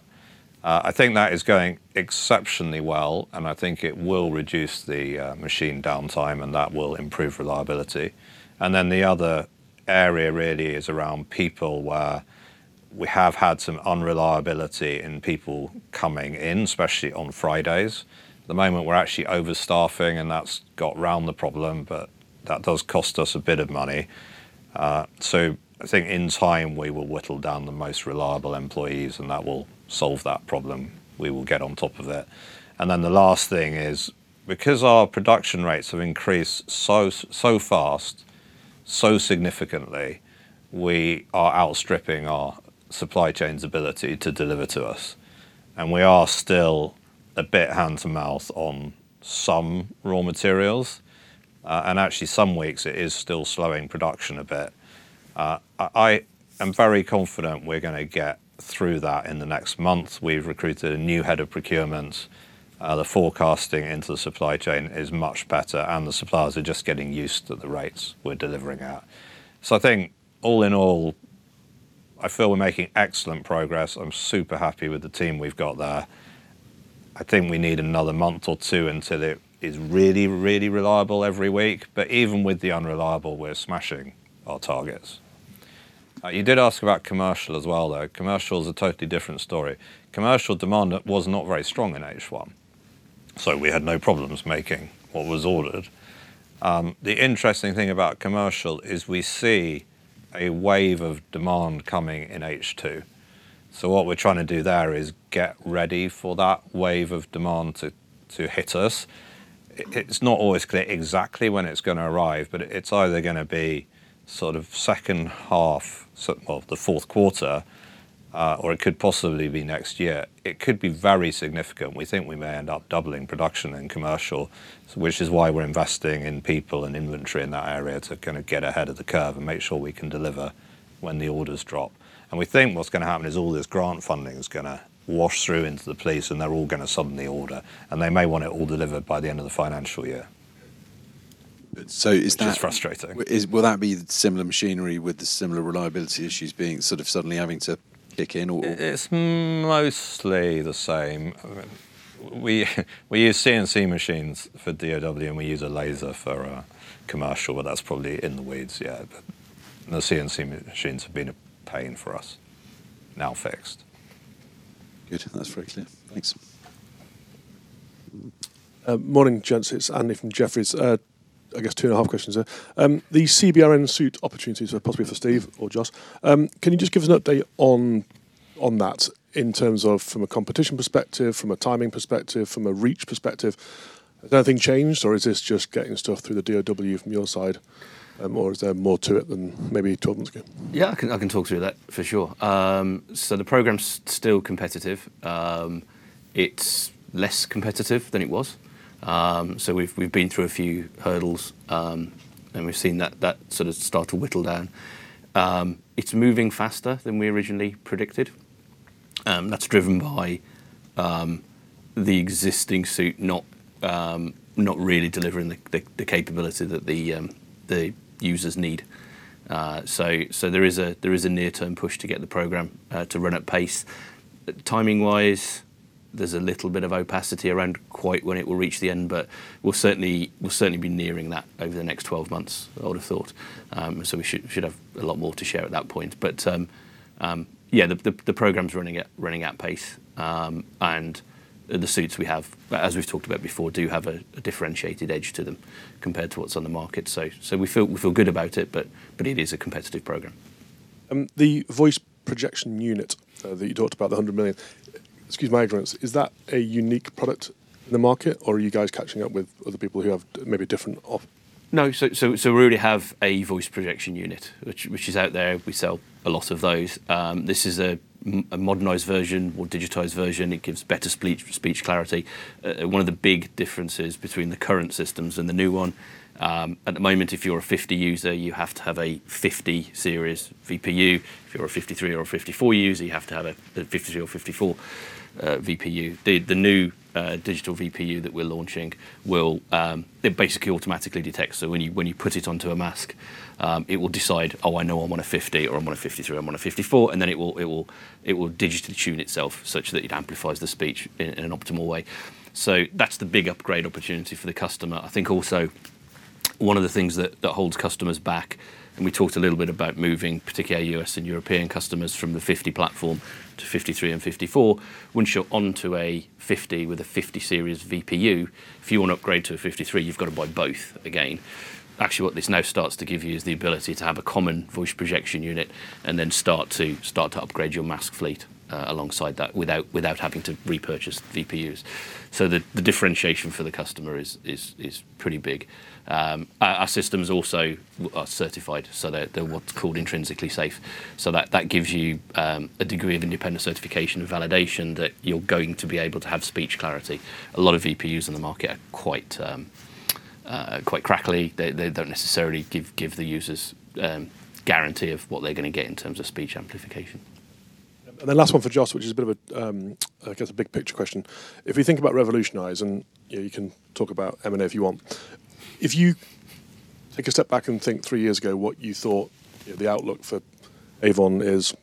Speaker 1: I think that is going exceptionally well, and I think it will reduce the machine downtime, and that will improve reliability. The other area really is around people, where we have had some unreliability in people coming in, especially on Fridays. At the moment, we're actually overstaffing, and that's got round the problem, but that does cost us a bit of money. I think in time we will whittle down the most reliable employees, and that will solve that problem. We will get on top of it. The last thing is, because our production rates have increased so fast, so significantly, we are outstripping our supply chain's ability to deliver to us. We are still a bit hand-to-mouth on some raw materials. Actually some weeks it is still slowing production a bit. I am very confident we're gonna get through that in the next month. We've recruited a new head of procurement. The forecasting into the supply chain is much better, and the suppliers are just getting used to the rates we're delivering at. I think all in all, I feel we're making excellent progress. I'm super happy with the team we've got there. I think we need another month or two until it is really, really reliable every week. Even with the unreliable, we're smashing our targets. You did ask about commercial as well, though. Commercial is a totally different story. Commercial demand was not very strong in H1, we had no problems making what was ordered. The interesting thing about commercial is we see a wave of demand coming in H2. What we're trying to do there is get ready for that wave of demand to hit us. It's not always clear exactly when it's gonna arrive, it's either gonna be sort of second half of the 4th quarter, or it could possibly be next year. It could be very significant. We think we may end up doubling production in commercial, which is why we're investing in people and inventory in that area to kind of get ahead of the curve and make sure we can deliver when the orders drop. We think what's gonna happen is all this grant funding is gonna wash through into the place, and they're all gonna suddenly order, and they may want it all delivered by the end of the financial year.
Speaker 4: So is that-
Speaker 1: Which is frustrating.
Speaker 4: Will that be similar machinery with the similar reliability issues being sort of suddenly having to kick in or?
Speaker 1: It's mostly the same. We use CNC machines for DoD, and we use a laser for our commercial, but that's probably in the weeds. Yeah, the CNC machines have been a pain for us. Now fixed.
Speaker 4: Good. That's very clear. Thanks.
Speaker 5: Morning, gents. It's Andy from Jefferies. I guess 2.5 questions there. The CBRN suit opportunities are possibly for Steve or Joss. Can you just give us an update on that in terms of from a competition perspective, from a timing perspective, from a reach perspective? Has anything changed, or is this just getting stuff through the DoD from your side? Is there more to it than maybe you talked once again?
Speaker 3: Yeah, I can talk through that for sure. The program's still competitive. It's less competitive than it was. We've been through a few hurdles, and we've seen that sort of start to whittle down. It's moving faster than we originally predicted. That's driven by the existing suit not really delivering the capability that the users need. There is a near-term push to get the program to run at pace. Timing-wise, there's a little bit of opacity around quite when it will reach the end, but we'll certainly be nearing that over the next 12 months, I would have thought. We should have a lot more to share at that point. Yeah, the program's running at pace. The suits we have, as we've talked about before, do have a differentiated edge to them compared to what's on the market. We feel good about it, but it is a competitive program.
Speaker 5: The Voice Projection Unit, that you talked about, the 100 million, excuse my ignorance, is that a unique product in the market, or are you guys catching up with other people who have maybe a different offering?
Speaker 3: We already have a Voice Projection Unit, which is out there. We sell a lot of those. This is a modernized version or digitized version. It gives better speech clarity. One of the big differences between the current systems and the new one, at the moment, if you're a M50 user, you have to have a M50 series VPU. If you're a M53 or a FM54 user, you have to have the M53 or FM54 VPU. The new digital VPU that we're launching will. It basically automatically detects. When you, when you put it onto a mask, it will decide, Oh, I know I'm on a M50, or, I'm on a M53, I'm on a FM54, and then it will digitally tune itself such that it amplifies the speech in an optimal way. That's the big upgrade opportunity for the customer. I think also one of the things that holds customers back, and we talked a little bit about moving particularly our U.S. and European customers from the M50 platform to M53 and FM54, once you're onto a M50 with a M50 series VPU, if you want to upgrade to a M53, you've got to buy both again. Actually, what this now starts to give you is the ability to have a common Voice Projection Unit and then start to upgrade your mask fleet alongside that without having to repurchase the VPUs. The differentiation for the customer is pretty big. Our systems also are certified, so they're what's called intrinsically safe. That gives you a degree of independent certification and validation that you're going to be able to have speech clarity. A lot of VPUs in the market are quite crackly. They don't necessarily give the users guarantee of what they're gonna get in terms of speech amplification.
Speaker 5: The last one for Jos, which is a bit of a, I guess, a big picture question. If you think about revolutionize, you know, you can talk about M&A if you want. If you take a step back and think three years ago what you thought, you know, the outlook for Avon is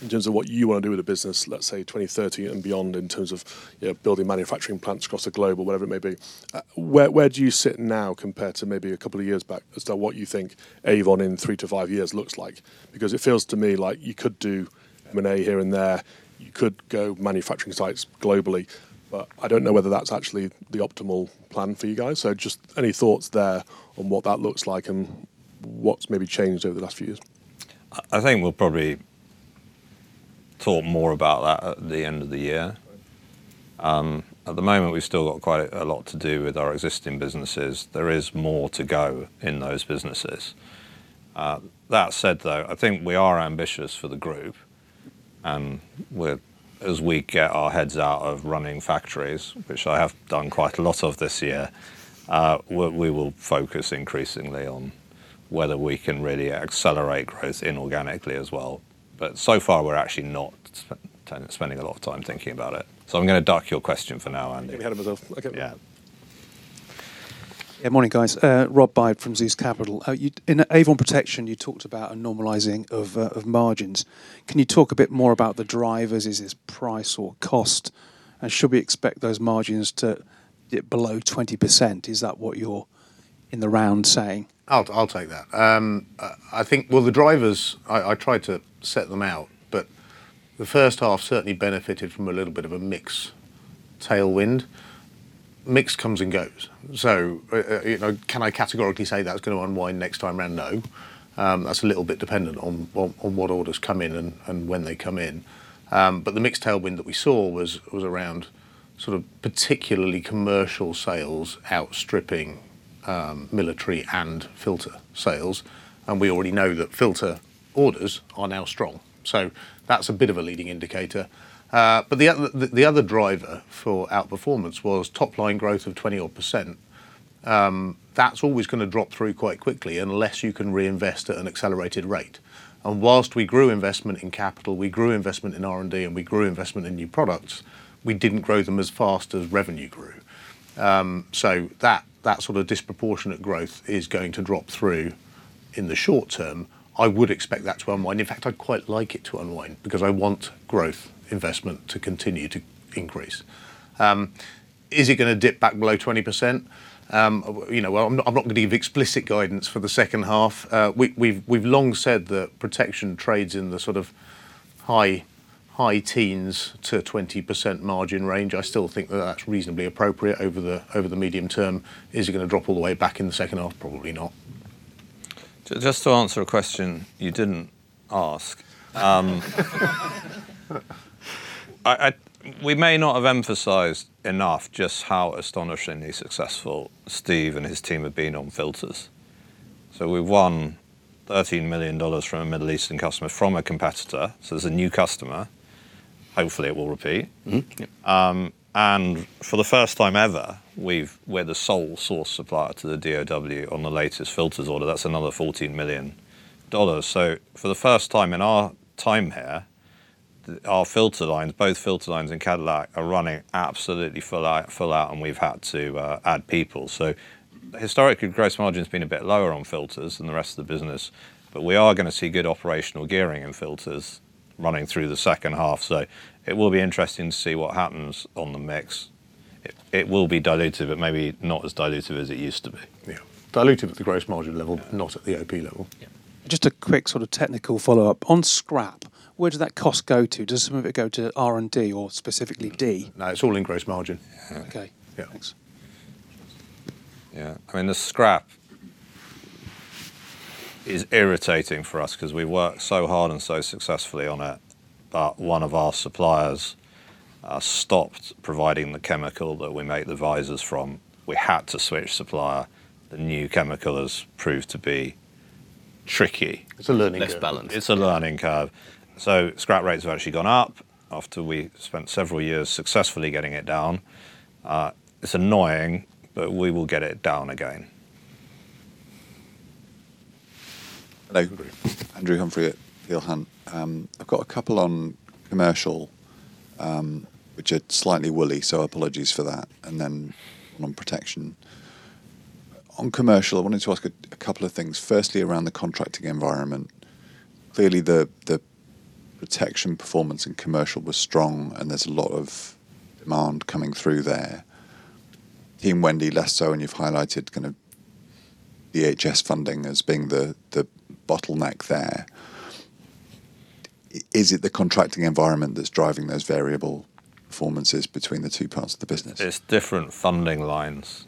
Speaker 5: in terms of what you want to do with the business, let's say, 2030 and beyond in terms of, you know, building manufacturing plants across the globe or whatever it may be, where do you sit now compared to maybe a couple of years back as to what you think Avon in three to five years looks like? It feels to me like you could do M&A here and there. You could go manufacturing sites globally. I don't know whether that's actually the optimal plan for you guys. Just any thoughts there on what that looks like and what's maybe changed over the last few years?
Speaker 1: I think we'll probably talk more about that at the end of the year. At the moment, we've still got quite a lot to do with our existing businesses. There is more to go in those businesses. That said though, I think we are ambitious for the group, and as we get our heads out of running factories, which I have done quite a lot of this year, we will focus increasingly on whether we can really accelerate growth inorganically as well. So far we're actually not spending a lot of time thinking about it. I'm gonna duck your question for now, Andy.
Speaker 5: You can have it myself. Okay.
Speaker 1: Yeah.
Speaker 6: Yeah. Morning, guys. Robin Byde from Zeus Capital. In Avon Protection, you talked about a normalizing of margins. Can you talk a bit more about the drivers? Is this price or cost? Should we expect those margins to dip below 20%? Is that what you're in the round saying?
Speaker 2: I'll take that. I think the drivers, I tried to set them out, the first half certainly benefited from a little bit of a mix tailwind. Mix comes and goes. You know, can I categorically say that's gonna unwind next time around? No. That's a little bit dependent on what orders come in and when they come in. The mix tailwind that we saw was around sort of particularly commercial sales outstripping military and filter sales, we already know that filter orders are now strong. That's a bit of a leading indicator. The other, the other driver for outperformance was top line growth of 20 odd%. That's always gonna drop through quite quickly unless you can reinvest at an accelerated rate. Whilst we grew investment in capital, we grew investment in R&D, and we grew investment in new products, we didn't grow them as fast as revenue grew. That sort of disproportionate growth is going to drop through in the short term. I would expect that to unwind. In fact, I'd quite like it to unwind because I want growth investment to continue to increase. Is it going to dip back below 20%? You know, well, I'm not going to give explicit guidance for the second half. We've long said that protection trades in the sort of high teens to 20% margin range. I still think that that's reasonably appropriate over the medium term. Is it going to drop all the way back in the second half? Probably not.
Speaker 1: Just to answer a question you didn't ask, we may not have emphasized enough just how astonishingly successful Steve and his team have been on filters. We won $13 million from a Middle Eastern customer from a competitor, so it's a new customer. Hopefully, it will repeat. For the first time ever, we're the sole source supplier to the DoD on the latest filters order. That's another $14 million. For the first time in our time here, our filter lines, both filter lines and Cadillac are running absolutely full out, and we've had to add people. Historically, gross margin's been a bit lower on filters than the rest of the business, but we are gonna see good operational gearing in filters running through the second half. It will be interesting to see what happens on the mix. It will be diluted, but maybe not as diluted as it used to be.
Speaker 2: Yeah.
Speaker 1: Diluted at the gross margin level.
Speaker 2: Yeah
Speaker 1: not at the OP level.
Speaker 2: Yeah.
Speaker 6: Just a quick sort of technical follow-up. On scrap, where does that cost go to? Does some of it go to R&D or specifically D?
Speaker 2: No, it's all in gross margin.
Speaker 6: Okay.
Speaker 2: Yeah.
Speaker 6: Thanks.
Speaker 1: I mean, the scrap is irritating for us 'cause we worked so hard and so successfully on it that one of our suppliers stopped providing the chemical that we make the visors from. We had to switch supplier. The new chemical has proved to be tricky.
Speaker 2: It's a learning curve.
Speaker 1: Less balanced. It's a learning curve. Scrap rates have actually gone up after we spent several years successfully getting it down. It's annoying, but we will get it down again.
Speaker 7: Hello. Andrew Humphrey at Peel Hunt. I've got a couple on commercial, which are slightly woolly, so apologies for that, and then one on protection. On commercial, I wanted to ask a couple of things. Firstly, around the contracting environment. Clearly, the protection performance in commercial was strong, and there's a lot of demand coming through there. Team Wendy less so, and you've highlighted kind of DHS funding as being the bottleneck there. Is it the contracting environment that's driving those variable performances between the two parts of the business?
Speaker 1: It's different funding lines.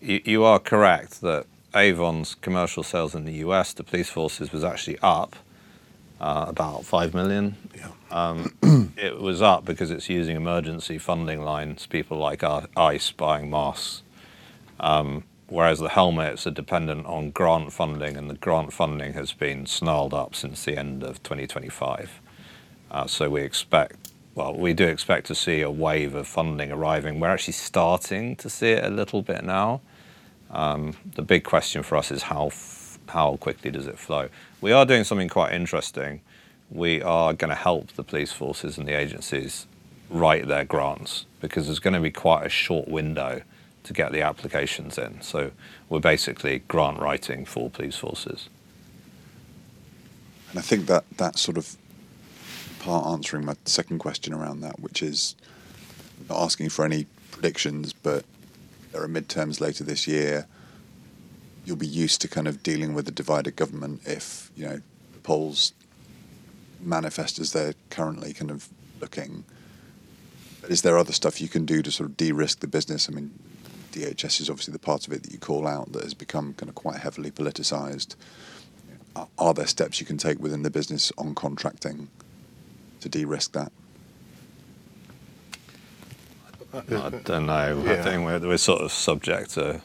Speaker 1: You are correct that Avon's commercial sales in the U.S. to police forces was actually up about 5 million.
Speaker 7: Yeah.
Speaker 1: It was up because it's using emergency funding lines, people like ICE buying masks, whereas the helmets are dependent on grant funding, and the grant funding has been snarled up since the end of 2025. We do expect to see a wave of funding arriving. We're actually starting to see it a little bit now. The big question for us is how quickly does it flow? We are doing something quite interesting. We are gonna help the police forces and the agencies write their grants because there's gonna be quite a short window to get the applications in. We're basically grant writing for police forces.
Speaker 7: I think that's sort of part answering my second question around that, which is not asking for any predictions, but there are midterms later this year. You'll be used to kind of dealing with a divided government if, you know, the polls manifest as they're currently kind of looking. Is there other stuff you can do to sort of de-risk the business? I mean, DHS is obviously the part of it that you call out that has become kind of quite heavily politicized. Are there steps you can take within the business on contracting to de-risk that?
Speaker 1: I don't know.
Speaker 2: Yeah.
Speaker 1: I think we're sort of subject to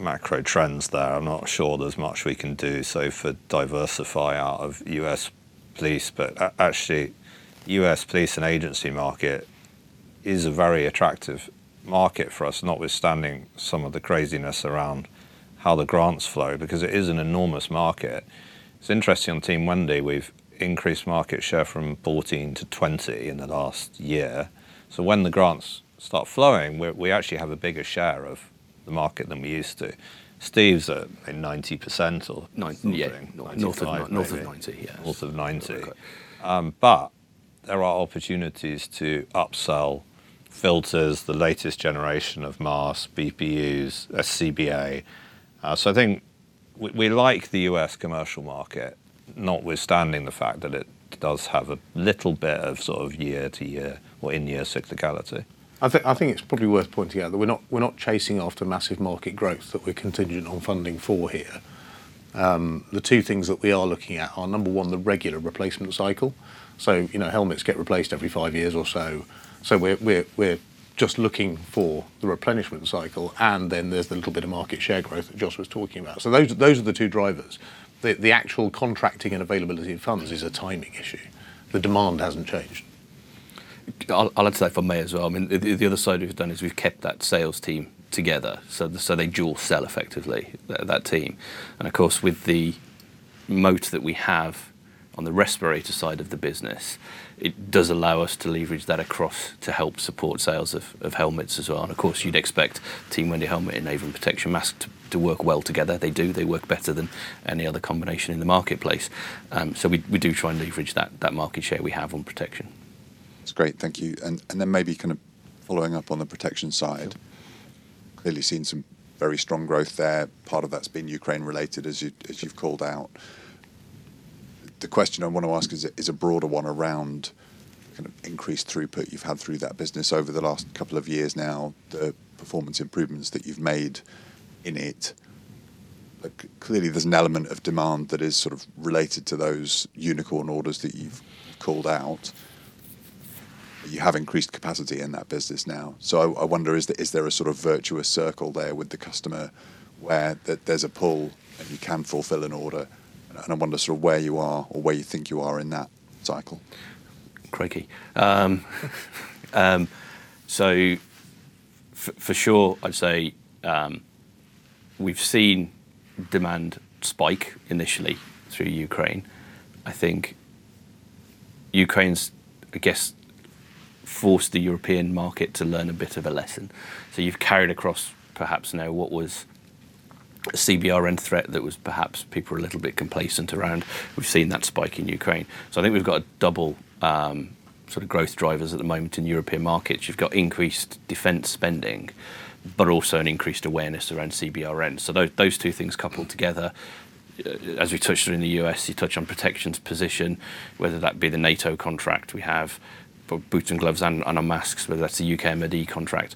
Speaker 1: macro trends there. I'm not sure there's much we can do. For diversify out of U.S. police, but actually, U.S. police and agency market is a very attractive market for us, notwithstanding some of the craziness around how the grants flow, because it is an enormous market. It's interesting, on Team Wendy, we've increased market share from 14 to 20 in the last year. When the grants start flowing, we actually have a bigger share of the market than we used to. Steve's at maybe 90% or something.
Speaker 2: Nine Yeah.
Speaker 1: 95 maybe.
Speaker 2: North of 90, yes.
Speaker 1: North of 90. There are opportunities to upsell filters, the latest generation of masks, VPUs, SCBA. I think we like the U.S. commercial market, notwithstanding the fact that it does have a little bit of sort of year-over-year or in-year cyclicality.
Speaker 2: I think it's probably worth pointing out that we're not chasing after massive market growth that we're contingent on funding for here. The two things that we are looking at are, number one, the regular replacement cycle. You know, helmets get replaced every five years or so. We're just looking for the replenishment cycle, and then there's the little bit of market share growth that Jos was talking about. Those are the two drivers. The actual contracting and availability of funds is a timing issue. The demand hasn't changed.
Speaker 3: I'll add to that if I may as well. I mean, the other side we've done is we've kept that sales team together, so they dual sell effectively, that team. Of course, with the competitive moat that we have on the respirator side of the business, it does allow us to leverage that across to help support sales of helmets as well. Of course, you'd expect Team Wendy helmet and Avon Protection mask to work well together. They do. They work better than any other combination in the marketplace. We do try and leverage that market share we have on protection.
Speaker 7: That's great. Thank you. Then maybe kind of following up on the Avon Protection side. Clearly seen some very strong growth there. Part of that's been Ukraine related as you've called out. The question I want to ask is a broader one around kind of increased throughput you've had through that business over the last two years now, the performance improvements that you've made in it. Clearly, there's an element of demand that is sort of related to those Ukraine orders that you've called out. You have increased capacity in that business now. I wonder, is there a sort of virtuous circle there with the customer where there's a pull and you can fulfill an order? I wonder sort of where you are or where you think you are in that cycle.
Speaker 3: Crikey. For sure, I'd say, we've seen demand spike initially through Ukraine. I think Ukraine's, I guess, forced the European market to learn a bit of a lesson. You've carried across perhaps now what was a CBRN threat that was perhaps people were a little bit complacent around. We've seen that spike in Ukraine. I think we've got a double sort of growth drivers at the moment in European markets. You've got increased defense spending Also an increased awareness around CBRN. Those two things coupled together, as we touched on in the U.S., you touch on protections position, whether that be the NATO contract we have for boots and gloves and our masks, whether that's a UK MoD contract.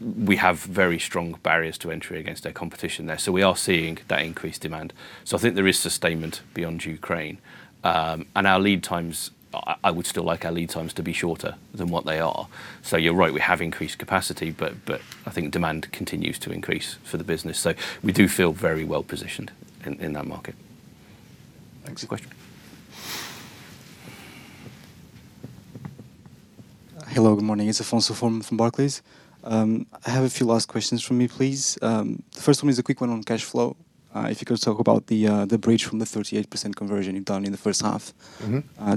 Speaker 3: We have very strong barriers to entry against our competition there. We are seeing that increased demand. I think there is sustainment beyond Ukraine. Our lead times, I would still like our lead times to be shorter than what they are. You're right, we have increased capacity, but I think demand continues to increase for the business. We do feel very well-positioned in that market.
Speaker 2: Thanks.
Speaker 1: Good question.
Speaker 8: Hello, good morning. It's Afonso Osório from Barclays. I have a few last questions from me, please. The first one is a quick one on cash flow. If you could talk about the bridge from the 38% conversion you've done in H1-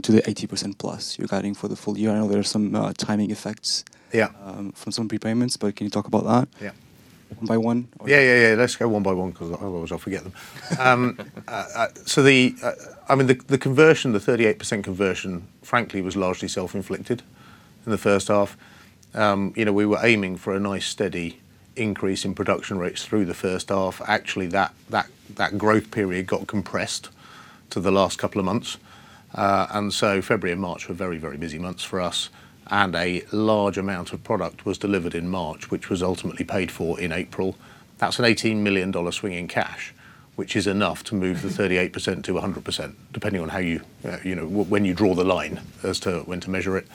Speaker 8: To the 80% plus you're guiding for the full year. I know there are some timing effects.
Speaker 2: Yeah
Speaker 8: From some prepayments, can you talk about that?
Speaker 2: Yeah.
Speaker 8: One by one or.
Speaker 2: Yeah, yeah, let's go one by one because otherwise I'll forget them. I mean, the conversion, the 38% conversion, frankly, was largely self-inflicted in H1. You know, we were aiming for a nice, steady increase in production rates through H1. Actually, that growth period got compressed to the last couple of months. February and March were very busy months for us, and a large amount of product was delivered in March, which was ultimately paid for in April. That's an $18 million swing in cash, which is enough to move the 38% to 100%, depending on how you know, when you draw the line as to when to measure it.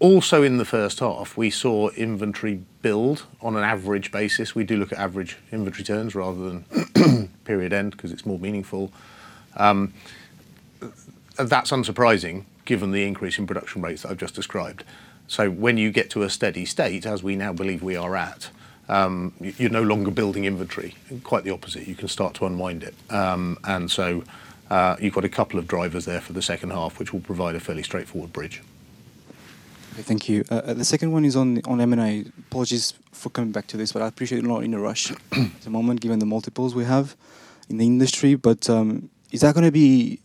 Speaker 2: Also in H1, we saw inventory build on an average basis. We do look at average inventory turns rather than period end because it's more meaningful. That's unsurprising given the increase in production rates that I've just described. When you get to a steady state, as we now believe we are at, you're no longer building inventory. Quite the opposite, you can start to unwind it. You've got a couple of drivers there for H2, which will provide a fairly straightforward bridge.
Speaker 8: Thank you. The second one is on M&A. Apologies for coming back to this, but I appreciate you're not in a rush at the moment given the multiples we have in the industry. Is that gonna be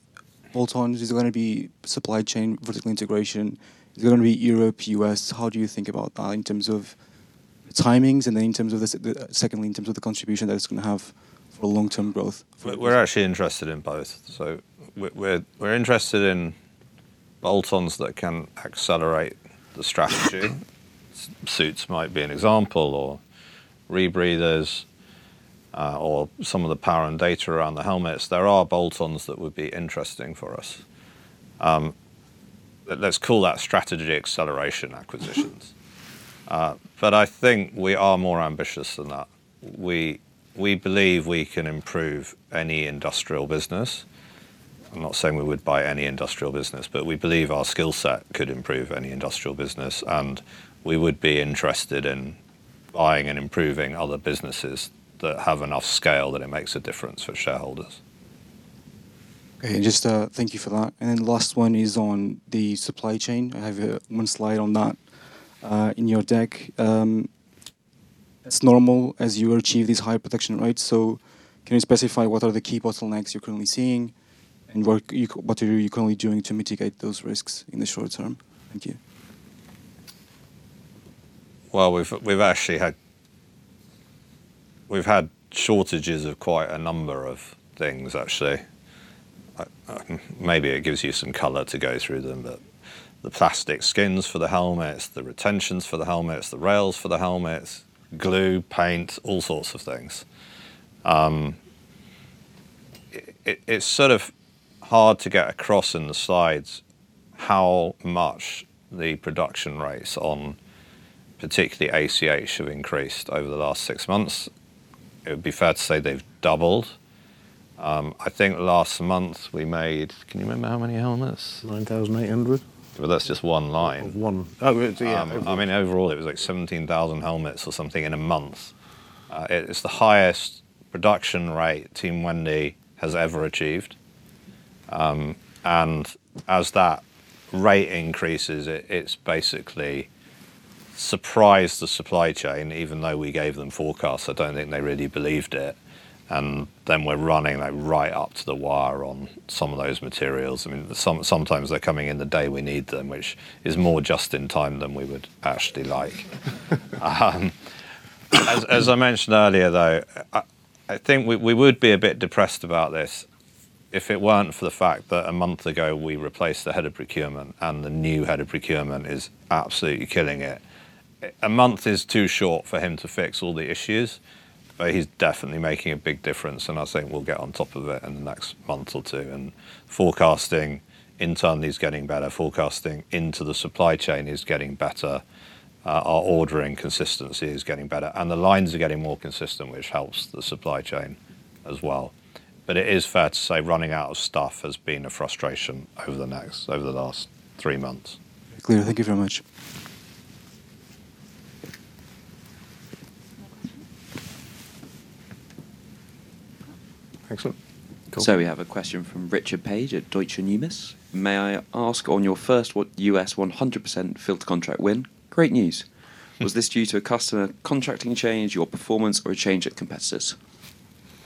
Speaker 8: bolt-ons? Is it gonna be supply chain vertical integration? Is it gonna be Europe, U.S.? How do you think about that in terms of timings and then in terms of the secondly, in terms of the contribution that it's gonna have for long-term growth?
Speaker 1: We're actually interested in both. We're interested in bolt-ons that can accelerate the strategy. Suits might be an example or rebreathers, or some of the power and data around the helmets. There are bolt-ons that would be interesting for us. Let's call that strategy acceleration acquisitions. I think we are more ambitious than that. We believe we can improve any industrial business. I'm not saying we would buy any industrial business, but we believe our skill set could improve any industrial business, and we would be interested in buying and improving other businesses that have enough scale that it makes a difference for shareholders.
Speaker 8: Okay. Just, thank you for that. Last one is on the supply chain. I have one slide on that in your deck. As normal as you achieve these high protection rates, can you specify what are the key bottlenecks you're currently seeing and what are you currently doing to mitigate those risks in the short term? Thank you.
Speaker 1: Well, we've actually had shortages of quite a number of things, actually. Maybe it gives you some color to go through them, the plastic skins for the helmets, the retentions for the helmets, the rails for the helmets, glue, paint, all sorts of things. It's sort of hard to get across in the slides how much the production rates on particularly ACH have increased over the last six months. It would be fair to say they've doubled. I think last month we made Can you remember how many helmets?
Speaker 2: 9,800.
Speaker 1: That's just one line.
Speaker 2: One. Oh, it's, yeah, average.
Speaker 1: I mean, overall, it was like 17,000 helmets or something in a month. It is the highest production rate Team Wendy has ever achieved. As that rate increases, it's basically surprised the supply chain, even though we gave them forecasts. I don't think they really believed it. We're running, like, right up to the wire on some of those materials. I mean, sometimes they're coming in the day we need them, which is more just in time than we would actually like. As I mentioned earlier, though, I think we would be a bit depressed about this if it weren't for the fact that a month ago, we replaced the head of procurement, and the new head of procurement is absolutely killing it. A month is too short for him to fix all the issues, but he's definitely making a big difference, and I think we'll get on top of it in the next month or two. Forecasting internally is getting better. Forecasting into the supply chain is getting better. Our ordering consistency is getting better. The lines are getting more consistent, which helps the supply chain as well. It is fair to say running out of stuff has been a frustration over the last three months.
Speaker 8: Clear. Thank you very much. More questions?
Speaker 2: Excellent. Cool.
Speaker 9: We have a question from Richard Paige at Deutsche Numis. May I ask on your first, what U.S. 100% filter contract win? Great news. Was this due to a customer contracting change, your performance or a change at competitors?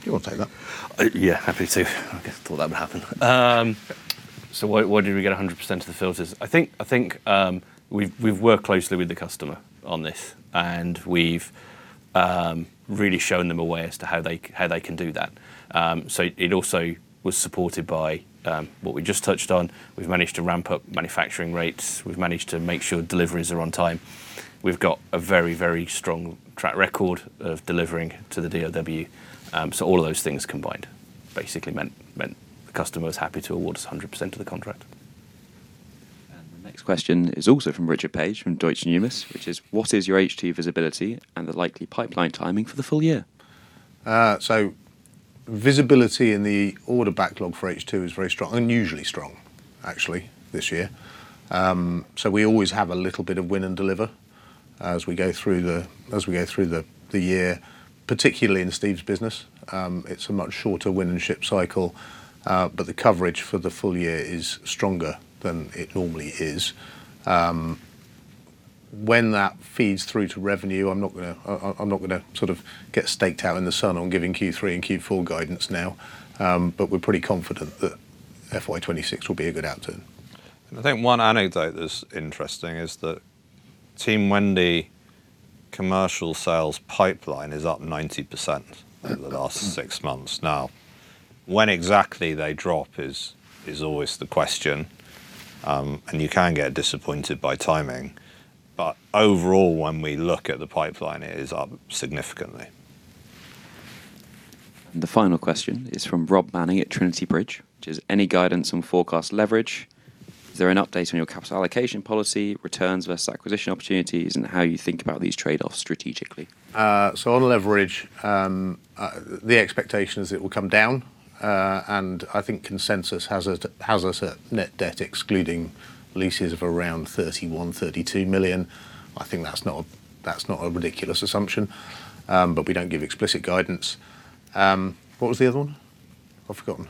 Speaker 2: You want to take that?
Speaker 3: Yeah, happy to. I guess, thought that would happen. Why did we get 100% of the filters? I think we've worked closely with the customer on this, and we've really shown them a way as to how they can do that. It also was supported by what we just touched on. We've managed to ramp up manufacturing rates. We've managed to make sure deliveries are on time. We've got a very strong track record of delivering to the DoD. All of those things combined basically meant the customer was happy to award us 100% of the contract.
Speaker 9: The next question is also from Richard Paige, from Deutsche Numis, which is: What is your H2 visibility and the likely pipeline timing for the full year?
Speaker 2: Visibility in the order backlog for H2 is very strong. Unusually strong, actually, this year. We always have a little bit of win and deliver as we go through the year, particularly in Steve's business. It's a much shorter win-to-ship cycle, the coverage for the full year is stronger than it normally is. When that feeds through to revenue, I'm not gonna sort of get staked out in the sun on giving Q3 and Q4 guidance now. We're pretty confident that FY 2026 will be a good outturn.
Speaker 1: I think one anecdote that's interesting is that Team Wendy commercial sales pipeline is up 90% over the last six months. Now, when exactly they drop is always the question. You can get disappointed by timing. Overall, when we look at the pipeline, it is up significantly.
Speaker 9: The final question is from Rob Manning at TrinityBridge, which is: Any guidance on forecast leverage? Is there an update on your capital allocation policy, returns versus acquisition opportunities, and how you think about these trade-offs strategically?
Speaker 2: On leverage, the expectation is it will come down. I think consensus has us at net debt excluding leases of around 31 million, 32 million. I think that's not a ridiculous assumption. We don't give explicit guidance. What was the other one? I've forgotten.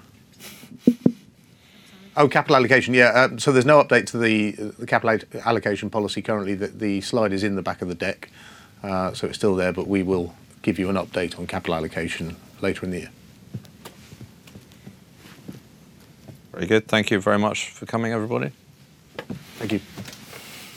Speaker 2: Capital allocation. Yeah. There's no update to the capital allocation policy currently. The slide is in the back of the deck, so it's still there, but we will give you an update on capital allocation later in the year.
Speaker 1: Very good. Thank you very much for coming, everybody.
Speaker 2: Thank you.